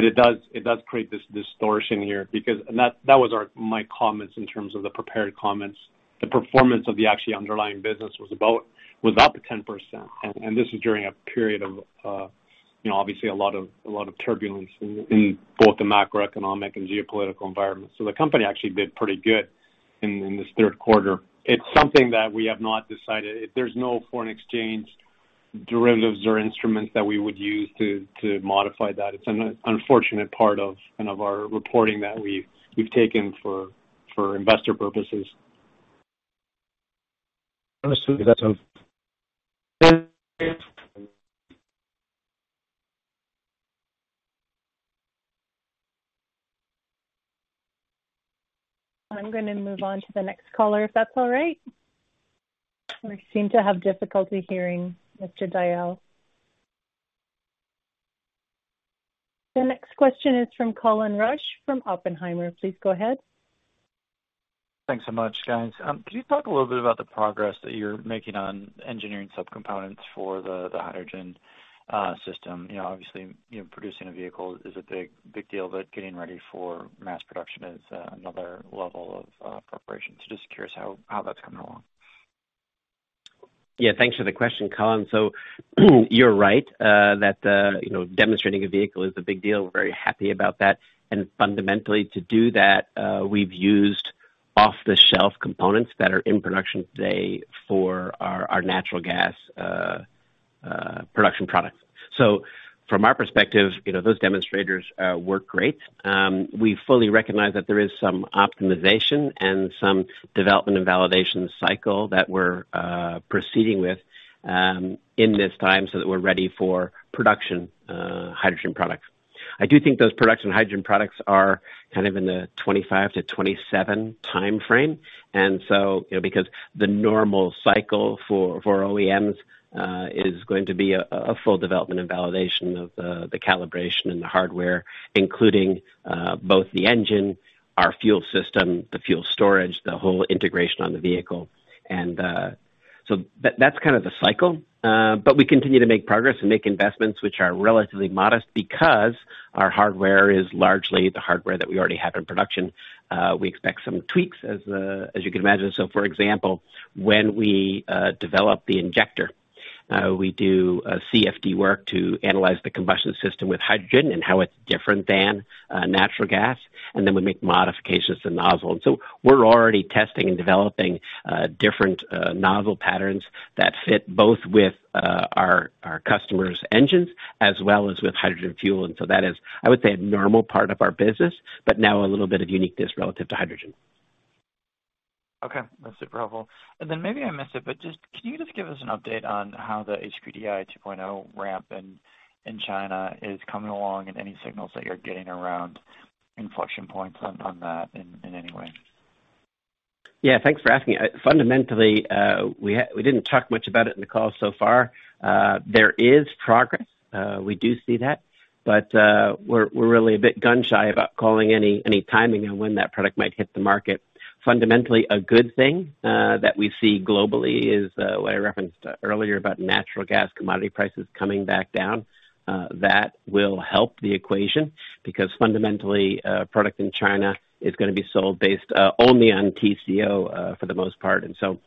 U.S.-based. It does create this distortion here. That was my comments in terms of the prepared comments. The performance of the actually underlying business was about without the 10%. This is during a period of obviously a lot of turbulence in both the macroeconomic and geopolitical environment. The company actually did pretty good in this third quarter. It's something that we have not decided. There's no foreign exchange derivatives or instruments that we would use to modify that. It's an unfortunate part of our reporting that we've taken for investor purposes. Understood. That's all. I'm going to move on to the next caller, if that's all right. We seem to have difficulty hearing Mr. Dayal. The next question is from Colin Rusch from Oppenheimer. Please go ahead. Thanks so much, guys. Can you talk a little bit about the progress that you're making on engineering subcomponents for the hydrogen system? Obviously, producing a vehicle is a big deal, but getting ready for mass production is another level of preparation. Just curious how that's coming along. Yeah, thanks for the question, Colin. You're right that demonstrating a vehicle is a big deal. We're very happy about that. Fundamentally, to do that, we've used off-the-shelf components that are in production today for our natural gas production products. From our perspective, those demonstrators work great. We fully recognize that there is some optimization and some development and validation cycle that we're proceeding with in this time so that we're ready for production hydrogen products. I do think those production hydrogen products are kind of in the 2025-2027 timeframe. Because the normal cycle for OEMs is going to be a full development and validation of the calibration and the hardware, including both the engine, our fuel system, the fuel storage, the whole integration on the vehicle. That's kind of the cycle. We continue to make progress and make investments which are relatively modest because our hardware is largely the hardware that we already have in production. We expect some tweaks, as you can imagine. For example, when we develop the injector, we do CFD work to analyze the combustion system with hydrogen and how it's different than natural gas, and then we make modifications to the nozzle. We're already testing and developing different nozzle patterns that fit both with our customers' engines as well as with hydrogen fuel. That is, I would say, a normal part of our business, but now a little bit of uniqueness relative to hydrogen. Okay, that's super helpful. Maybe I missed it, can you just give us an update on how the HPDI 2.0 ramp in China is coming along and any signals that you're getting around inflection points on that in any way? Yeah, thanks for asking. Fundamentally, we didn't talk much about it in the call so far. There is progress. We do see that. We're really a bit gun shy about calling any timing on when that product might hit the market. Fundamentally, a good thing that we see globally is what I referenced earlier about natural gas commodity prices coming back down. That will help the equation because fundamentally, product in China is going to be sold based only on TCO for the most part, and so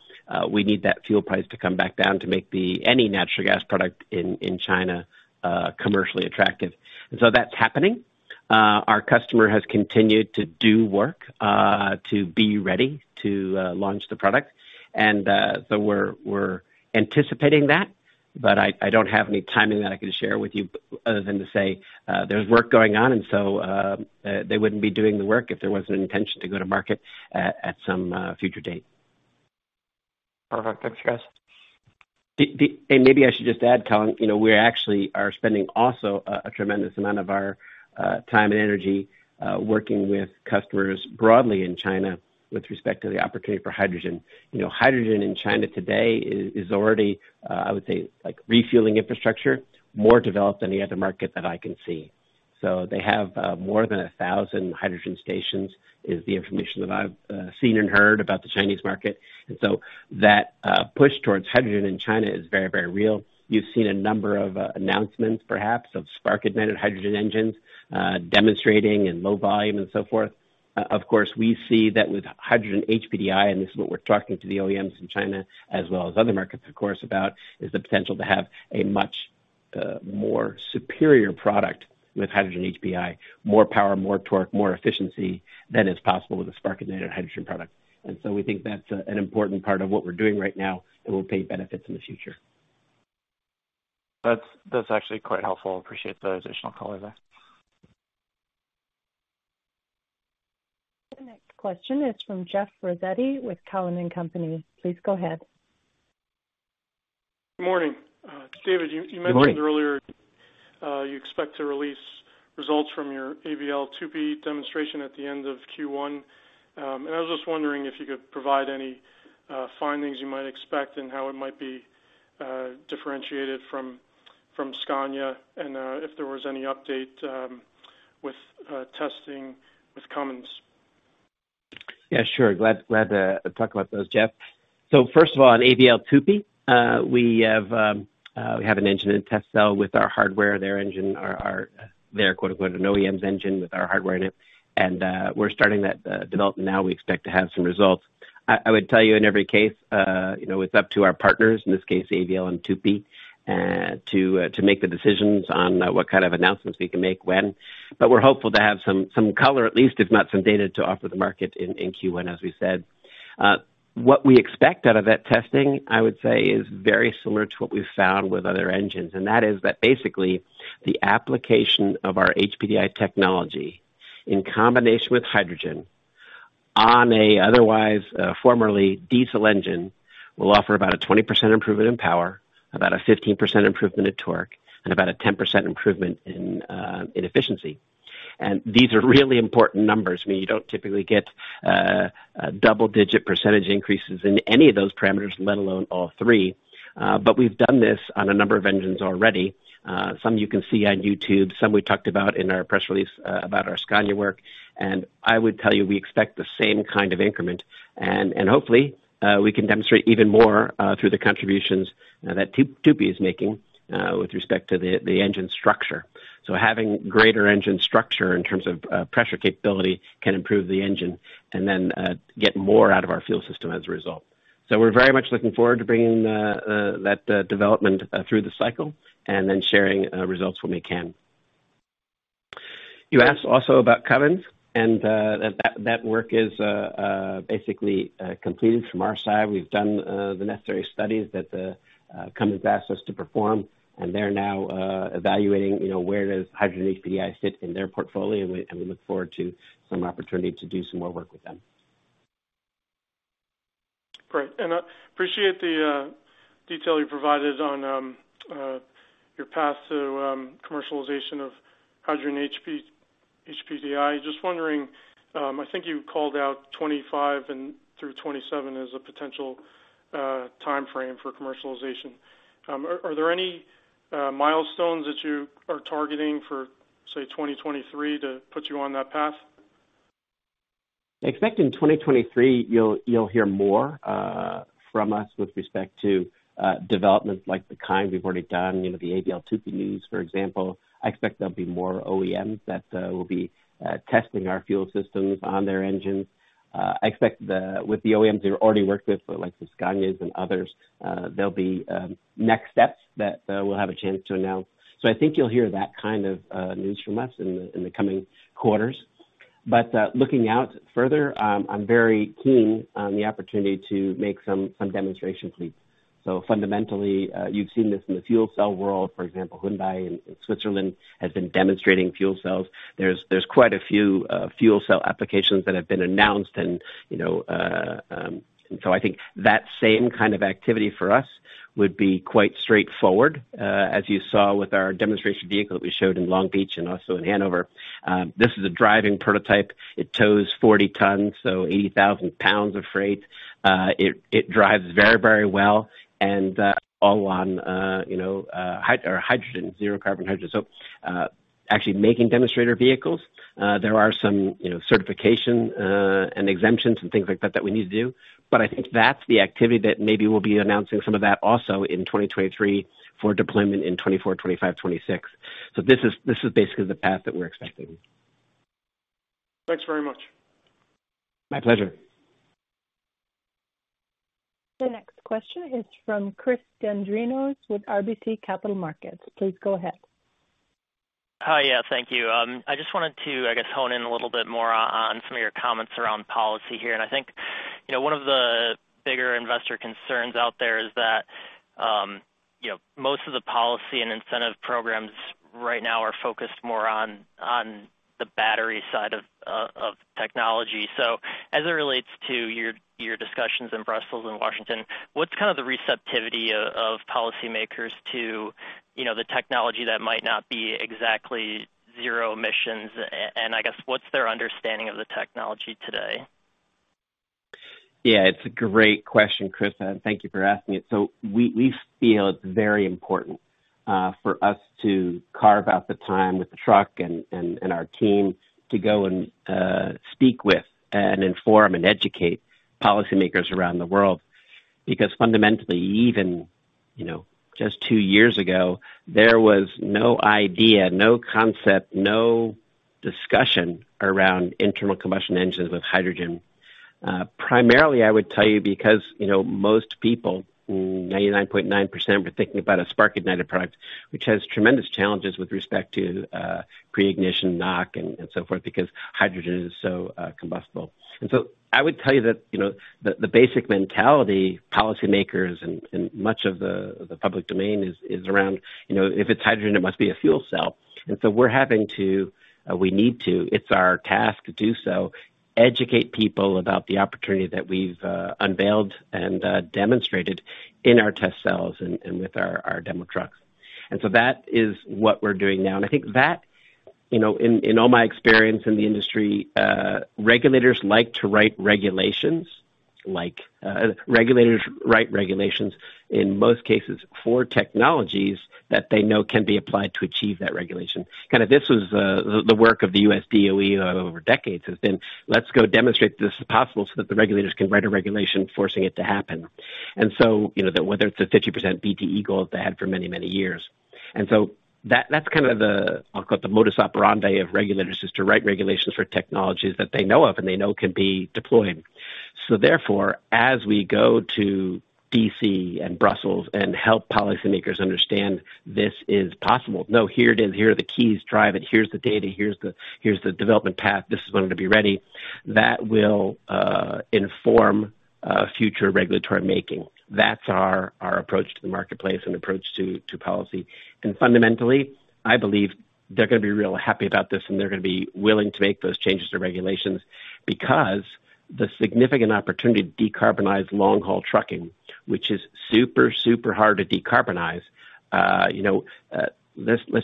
we need that fuel price to come back down to make any natural gas product in China commercially attractive. That's happening. Our customer has continued to do work to be ready to launch the product. We're anticipating that, but I don't have any timing that I can share with you other than to say there's work going on, and so they wouldn't be doing the work if there wasn't an intention to go to market at some future date. Perfect. Thanks, guys. Maybe I should just add, Colin, we actually are spending also a tremendous amount of our time and energy working with customers broadly in China with respect to the opportunity for hydrogen. Hydrogen in China today is already, I would say, refueling infrastructure, more developed than any other market that I can see. They have more than 1,000 hydrogen stations, is the information that I've seen and heard about the Chinese market. That push towards hydrogen in China is very, very real. You've seen a number of announcements, perhaps, of spark-ignited hydrogen engines demonstrating in low volume and so forth. Of course, we see that with hydrogen HPDI, and this is what we're talking to the OEMs in China as well as other markets, of course, about, is the potential to have a much more superior product with hydrogen HPDI, more power, more torque, more efficiency than is possible with a spark-ignited hydrogen product. We think that's an important part of what we're doing right now that will pay benefits in the future. That's actually quite helpful. Appreciate the additional color there. The next question is from Jeffrey Osborne with Cowen and Company. Please go ahead. Good morning, David. Good morning. You mentioned earlier you expect to release results from your AVL TUPY demonstration at the end of Q1. I was just wondering if you could provide any findings you might expect and how it might be differentiated from Scania and if there was any update with testing with Cummins. Yeah, sure. Glad to talk about those, Jeff. First of all, on AVL TUPY, we have an engine in test cell with our hardware, their engine, their quote-unquote, an OEM's engine with our hardware in it. We're starting that development now. We expect to have some results. I would tell you in every case, it's up to our partners, in this case, AVL and TUPY, to make the decisions on what kind of announcements we can make when. We're hopeful to have some color at least, if not some data to offer the market in Q1, as we said. What we expect out of that testing, I would say, is very similar to what we've found with other engines, and that is that basically the application of our HPDI technology in combination with hydrogen on an otherwise formerly diesel engine will offer about a 20% improvement in power, about a 15% improvement in torque, and about a 10% improvement in efficiency. These are really important numbers. I mean, you don't typically get double-digit percentage increases in any of those parameters, let alone all three. We've done this on a number of engines already. Some you can see on YouTube, some we talked about in our press release about our Scania work, I would tell you we expect the same kind of increment. Hopefully, we can demonstrate even more through the contributions that TUPY is making with respect to the engine structure. Having greater engine structure in terms of pressure capability can improve the engine and get more out of our fuel system as a result. We're very much looking forward to bringing that development through the cycle and sharing results when we can. You asked also about Cummins. That work is basically completed from our side. We've done the necessary studies that Cummins asked us to perform, and they're now evaluating where does hydrogen HPDI sit in their portfolio. We look forward to some opportunity to do some more work with them. Great. I appreciate the detail you provided on your path to commercialization of hydrogen HPDI. Just wondering, I think you called out 2025 through 2027 as a potential timeframe for commercialization. Are there any milestones that you are targeting for, say, 2023 to put you on that path? I expect in 2023, you'll hear more from us with respect to developments like the kind we've already done, the AVL TUPY news, for example. I expect there'll be more OEMs that will be testing our fuel systems on their engines. I expect with the OEMs we already work with, like the Scanias and others, there'll be next steps that we'll have a chance to announce. I think you'll hear that kind of news from us in the coming quarters. Looking out further, I'm very keen on the opportunity to make some demonstration fleets. Fundamentally, you've seen this in the fuel cell world, for example, Hyundai in Switzerland has been demonstrating fuel cells. There's quite a few fuel cell applications that have been announced. I think that same kind of activity for us would be quite straightforward, as you saw with our demonstration vehicle that we showed in Long Beach and also in Hanover. This is a driving prototype. It tows 40 tons, so 80,000 pounds of freight. It drives very well and all on zero carbon hydrogen. Actually making demonstrator vehicles, there are some certification and exemptions and things like that that we need to do. I think that's the activity that maybe we'll be announcing some of that also in 2023 for deployment in 2024, 2025, 2026. This is basically the path that we're expecting. Thanks very much. My pleasure. The next question is from Christopher Dendrinos with RBC Capital Markets. Please go ahead. Hi. Yeah, thank you. I just wanted to, I guess, hone in a little bit more on some of your comments around policy here. I think one of the bigger investor concerns out there is that most of the policy and incentive programs right now are focused more on the battery side of technology. As it relates to your discussions in Brussels and Washington, what's kind of the receptivity of policymakers to the technology that might not be exactly zero emissions? I guess, what's their understanding of the technology today? It's a great question, Chris, and thank you for asking it. We feel it's very important for us to carve out the time with the truck and our team to go and speak with and inform and educate policymakers around the world. Fundamentally, even just two years ago, there was no idea, no concept, no discussion around internal combustion engines with hydrogen. Primarily, I would tell you, because most people, 99.9%, were thinking about a spark-ignited product, which has tremendous challenges with respect to pre-ignition, knock, and so forth because hydrogen is so combustible. I would tell you that the basic mentality, policymakers and much of the public domain is around, if it's hydrogen, it must be a fuel cell. We're having to, we need to, it's our task to do so, educate people about the opportunity that we've unveiled and demonstrated in our test cells and with our demo trucks. That is what we're doing now. I think that, in all my experience in the industry, regulators write regulations, in most cases, for technologies that they know can be applied to achieve that regulation. Kind of this was the work of the U.S. Department of Energy over decades, has been, let's go demonstrate that this is possible so that the regulators can write a regulation forcing it to happen. Whether it's the 50% BTE goals they had for many years. That's kind of the, I'll call it the modus operandi of regulators, is to write regulations for technologies that they know of and they know can be deployed. Therefore, as we go to D.C. and Brussels and help policymakers understand this is possible. No, here it is. Here are the keys. Drive it. Here's the data. Here's the development path. This is when it'll be ready. That will inform future regulatory making. That's our approach to the marketplace and approach to policy. Fundamentally, I believe they're going to be real happy about this, and they're going to be willing to make those changes to regulations because the significant opportunity to decarbonize long-haul trucking, which is super hard to decarbonize. Let's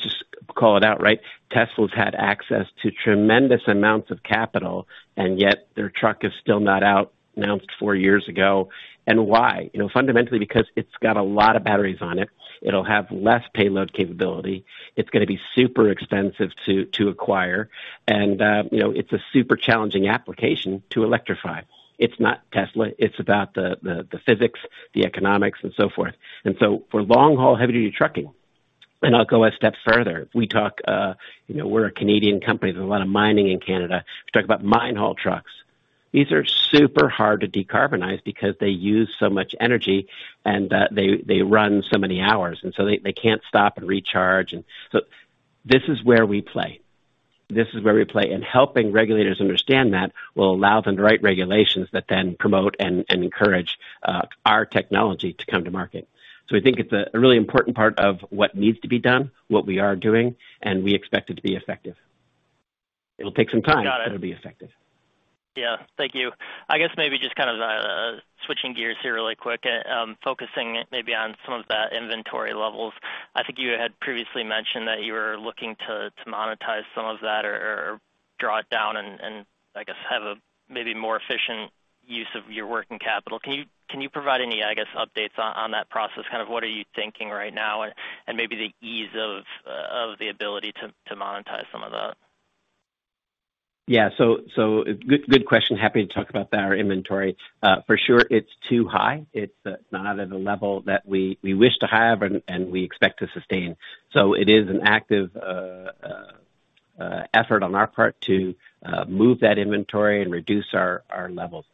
just call it out, right? Tesla's had access to tremendous amounts of capital, and yet their truck is still not out, announced four years ago. Why? Fundamentally, because it's got a lot of batteries on it. It'll have less payload capability. It's going to be super expensive to acquire. It's a super challenging application to electrify. It's not Tesla. It's about the physics, the economics, and so forth. For long-haul, heavy-duty trucking, and I'll go a step further. We're a Canadian company. There's a lot of mining in Canada. If you talk about mine haul trucks, these are super hard to decarbonize because they use so much energy, and they run so many hours, and so they can't stop and recharge. This is where we play. Helping regulators understand that will allow them to write regulations that then promote and encourage our technology to come to market. We think it's a really important part of what needs to be done, what we are doing, and we expect it to be effective. It'll take some time- Got it It'll be effective. Yeah. Thank you. I guess maybe just kind of switching gears here really quick, focusing maybe on some of the inventory levels. I think you had previously mentioned that you were looking to monetize some of that or draw it down and I guess have a maybe more efficient use of your working capital. Can you provide any, I guess, updates on that process? What are you thinking right now? Maybe the ease of the ability to monetize some of that. Good question. Happy to talk about that. Our inventory, for sure, it's too high. It's not at a level that we wish to have and we expect to sustain. It is an active effort on our part to move that inventory and reduce our levels.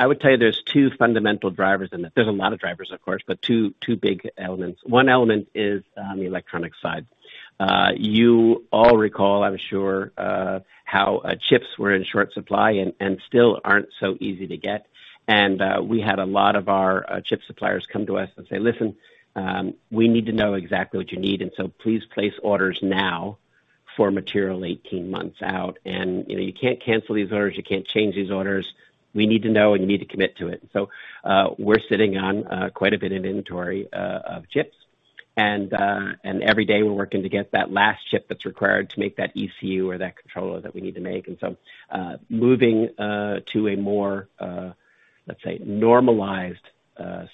I would tell you there's two fundamental drivers in it. There's a lot of drivers, of course, but two big elements. One element is on the electronic side. You all recall, I'm sure, how chips were in short supply and still aren't so easy to get. We had a lot of our chip suppliers come to us and say, "Listen, we need to know exactly what you need, please place orders now for material 18 months out. You can't cancel these orders, you can't change these orders. We need to know, and you need to commit to it." We're sitting on quite a bit of inventory of chips. Every day we're working to get that last chip that's required to make that ECU or that controller that we need to make. Moving to a more, let's say, normalized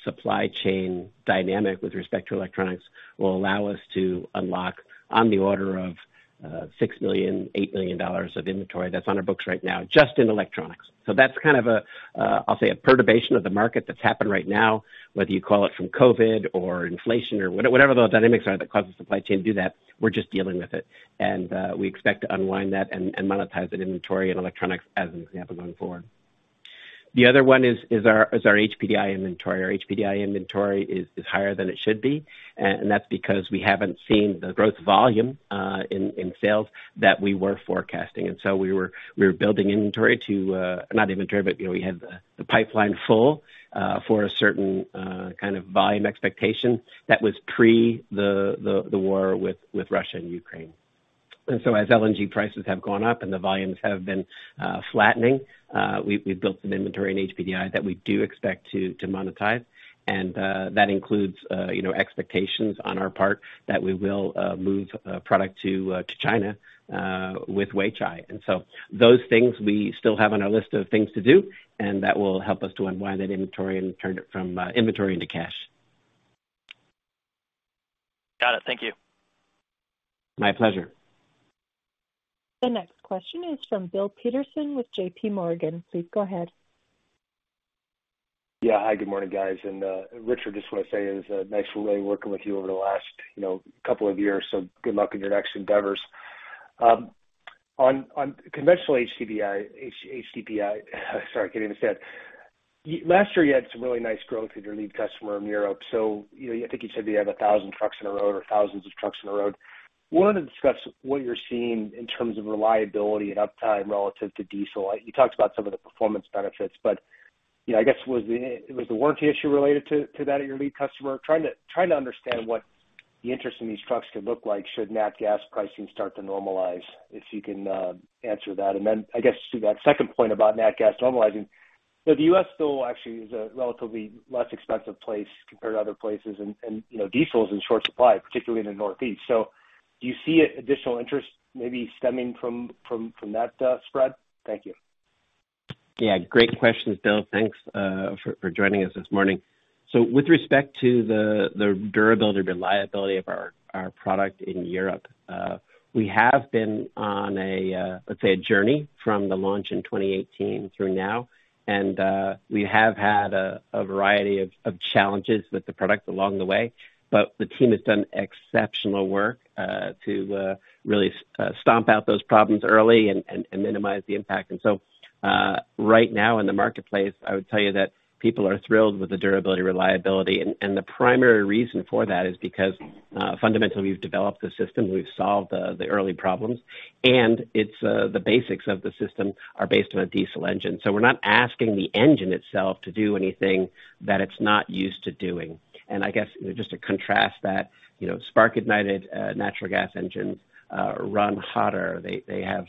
supply chain dynamic with respect to electronics will allow us to unlock on the order of 6 million, 8 million dollars of inventory that's on our books right now, just in electronics. That's kind of a, I'll say, a perturbation of the market that's happened right now, whether you call it from COVID or inflation or whatever the dynamics are that cause the supply chain to do that, we're just dealing with it. We expect to unwind that and monetize that inventory and electronics as an example going forward. The other one is our HPDI inventory. Our HPDI inventory is higher than it should be, and that's because we haven't seen the growth volume in sales that we were forecasting. Not inventory, but we had the pipeline full, for a certain kind of volume expectation that was pre the war with Russia and Ukraine. As LNG prices have gone up and the volumes have been flattening, we've built some inventory in HPDI that we do expect to monetize. That includes expectations on our part that we will move product to China with Weichai. Those things we still have on our list of things to do, and that will help us to unwind that inventory and turn it from inventory into cash. Got it. Thank you. My pleasure. The next question is from Bill Peterson with J.P. Morgan. Please go ahead. Yeah. Hi, good morning, guys. Richard, just want to say it was nice really working with you over the last couple of years. Good luck in your next endeavors. On conventional HPDI, sorry, getting mixed head. Last year, you had some really nice growth with your lead customer in Europe. I think you said you have 1,000 trucks on the road or thousands of trucks on the road. Wanted to discuss what you're seeing in terms of reliability and uptime relative to diesel. You talked about some of the performance benefits, but I guess, was the warranty issue related to that at your lead customer? Trying to understand what the interest in these trucks could look like should nat gas pricing start to normalize, if you can answer that? I guess to that second point about nat gas normalizing, the U.S. still actually is a relatively less expensive place compared to other places and diesel's in short supply, particularly in the Northeast. Do you see additional interest maybe stemming from that spread? Thank you. Yeah. Great questions, Bill. Thanks for joining us this morning. With respect to the durability, reliability of our product in Europe, we have been on a, let's say, a journey from the launch in 2018 through now. We have had a variety of challenges with the product along the way. The team has done exceptional work to really stomp out those problems early and minimize the impact. Right now in the marketplace, I would tell you that people are thrilled with the durability, reliability. The primary reason for that is because fundamentally we've developed the system, we've solved the early problems, and the basics of the system are based on a diesel engine. We're not asking the engine itself to do anything that it's not used to doing. I guess just to contrast that, spark-ignited natural gas engines run hotter. They have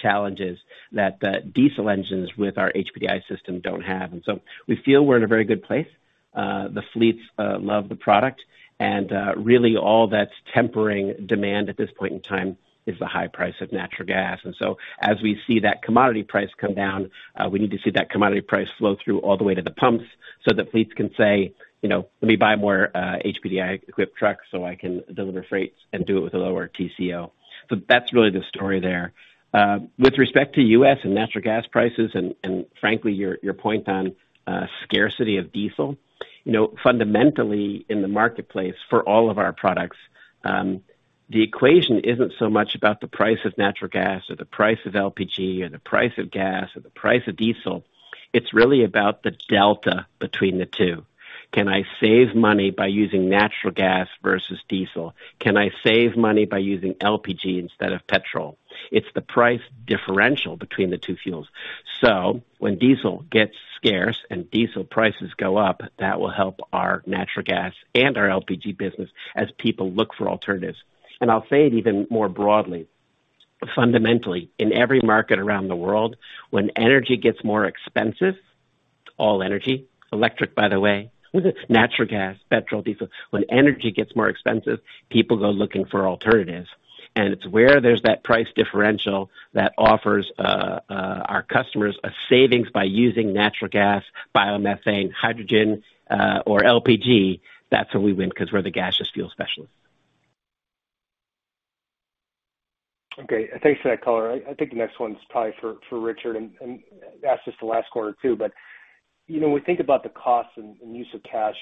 challenges that diesel engines with our HPDI system don't have. We feel we're in a very good place. The fleets love the product and really all that's tempering demand at this point in time is the high price of natural gas. As we see that commodity price come down, we need to see that commodity price flow through all the way to the pumps so that fleets can say, "Let me buy more HPDI-equipped trucks so I can deliver freight and do it with a lower TCO." That's really the story there. With respect to U.S. and natural gas prices and frankly, your point on scarcity of diesel, fundamentally in the marketplace for all of our products, the equation isn't so much about the price of natural gas or the price of LPG or the price of gas or the price of diesel. It's really about the delta between the two. Can I save money by using natural gas versus diesel? Can I save money by using LPG instead of petrol? It's the price differential between the two fuels. When diesel gets scarce and diesel prices go up, that will help our natural gas and our LPG business as people look for alternatives. I'll say it even more broadly, fundamentally, in every market around the world, when energy gets more expensive All energy, electric, by the way, natural gas, petrol, diesel. When energy gets more expensive, people go looking for alternatives. It's where there's that price differential that offers our customers a savings by using natural gas, biomethane, hydrogen, or LPG. That's where we win because we're the gaseous fuel specialist. Okay. Thanks for that color. I think the next one's probably for Richard, and that's just the last quarter, too. When we think about the cost and use of cash,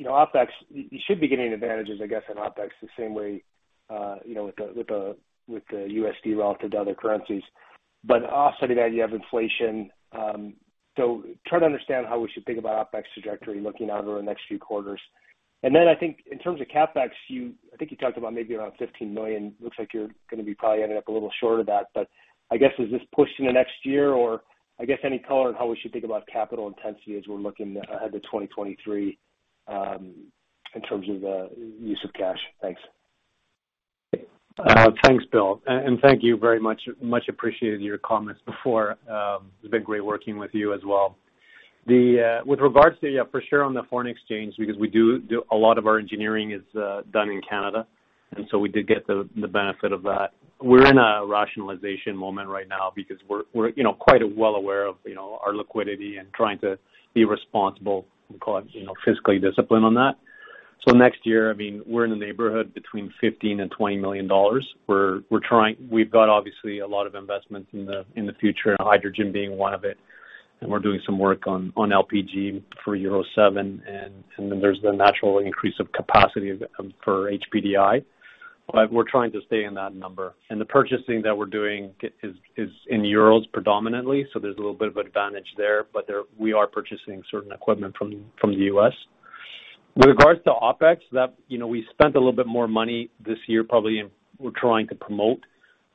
OpEx, you should be getting advantages, I guess, in OpEx the same way with the USD relative to other currencies. Outside of that, you have inflation. Try to understand how we should think about OpEx trajectory looking out over the next few quarters. I think in terms of CapEx, I think you talked about maybe around $15 million. Looks like you're going to be probably ending up a little short of that. I guess, is this pushed into next year? I guess any color on how we should think about capital intensity as we're looking ahead to 2023 in terms of the use of cash? Thanks. Thanks, Bill, and thank you very much. Much appreciated your comments before. It's been great working with you as well. With regards to, for sure on the foreign exchange, because a lot of our engineering is done in Canada, we did get the benefit of that. We're in a rationalization moment right now because we're quite well aware of our liquidity and trying to be responsible and fiscally disciplined on that. Next year, we're in the neighborhood between $15 million-$20 million. We've got, obviously, a lot of investments in the future, hydrogen being one of it, we're doing some work on LPG for Euro 7, and there's the natural increase of capacity for HPDI. We're trying to stay in that number. The purchasing that we're doing is in EUR predominantly, so there's a little bit of advantage there, but we are purchasing certain equipment from the U.S. With regards to OpEx, we spent a little bit more money this year, we're trying to promote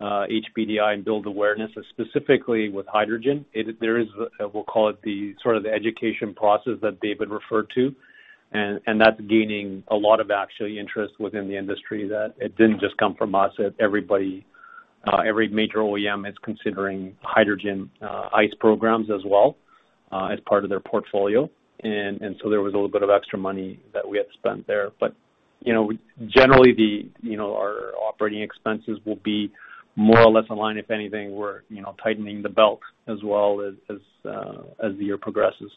HPDI and build awareness, specifically with hydrogen. There is, we'll call it the education process that David referred to, that's gaining a lot of, actually, interest within the industry, that it didn't just come from us. Every major OEM is considering hydrogen ICE programs as well as part of their portfolio. There was a little bit of extra money that we had spent there. Generally, our operating expenses will be more or less in line. If anything, we're tightening the belt as well as the year progresses.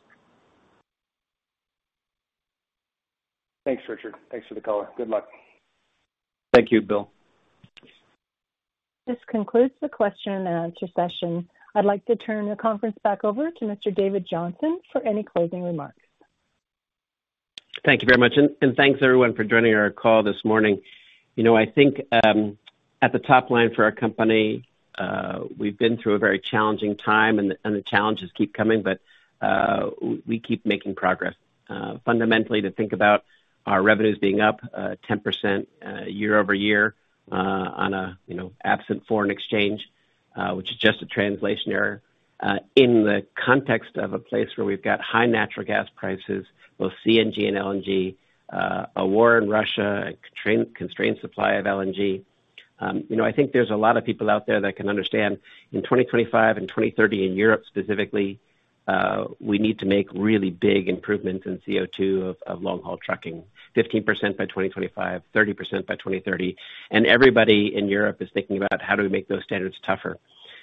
Thanks, Richard. Thanks for the color. Good luck. Thank you, Bill. This concludes the question and answer session. I'd like to turn the conference back over to Mr. David Johnson for any closing remarks. Thank you very much, and thanks, everyone, for joining our call this morning. I think at the top line for our company, we've been through a very challenging time, and the challenges keep coming, but we keep making progress. Fundamentally, to think about our revenues being up 10% year-over-year on a absent foreign exchange, which is just a translation error, in the context of a place where we've got high natural gas prices, both CNG and LNG, a war in Russia, a constrained supply of LNG. I think there's a lot of people out there that can understand in 2025 and 2030, in Europe specifically, we need to make really big improvements in CO2 of long-haul trucking, 15% by 2025, 30% by 2030. Everybody in Europe is thinking about how do we make those standards tougher.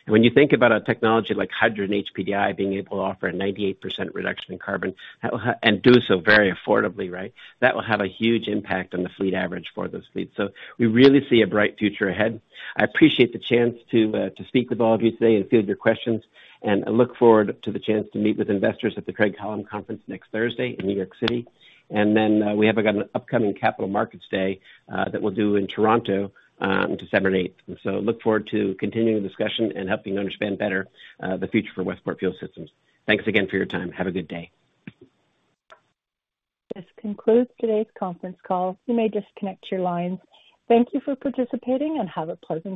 When you think about a technology like hydrogen HPDI being able to offer a 98% reduction in carbon and do so very affordably, that will have a huge impact on the fleet average for those fleets. We really see a bright future ahead. I appreciate the chance to speak with all of you today and field your questions, and I look forward to the chance to meet with investors at the Craig-Hallum Conference next Thursday in New York City. Then we have an upcoming capital markets day that we'll do in Toronto on December 8th. Look forward to continuing the discussion and helping you understand better the future for Westport Fuel Systems. Thanks again for your time. Have a good day. This concludes today's conference call. You may disconnect your lines. Thank you for participating and have a pleasant day.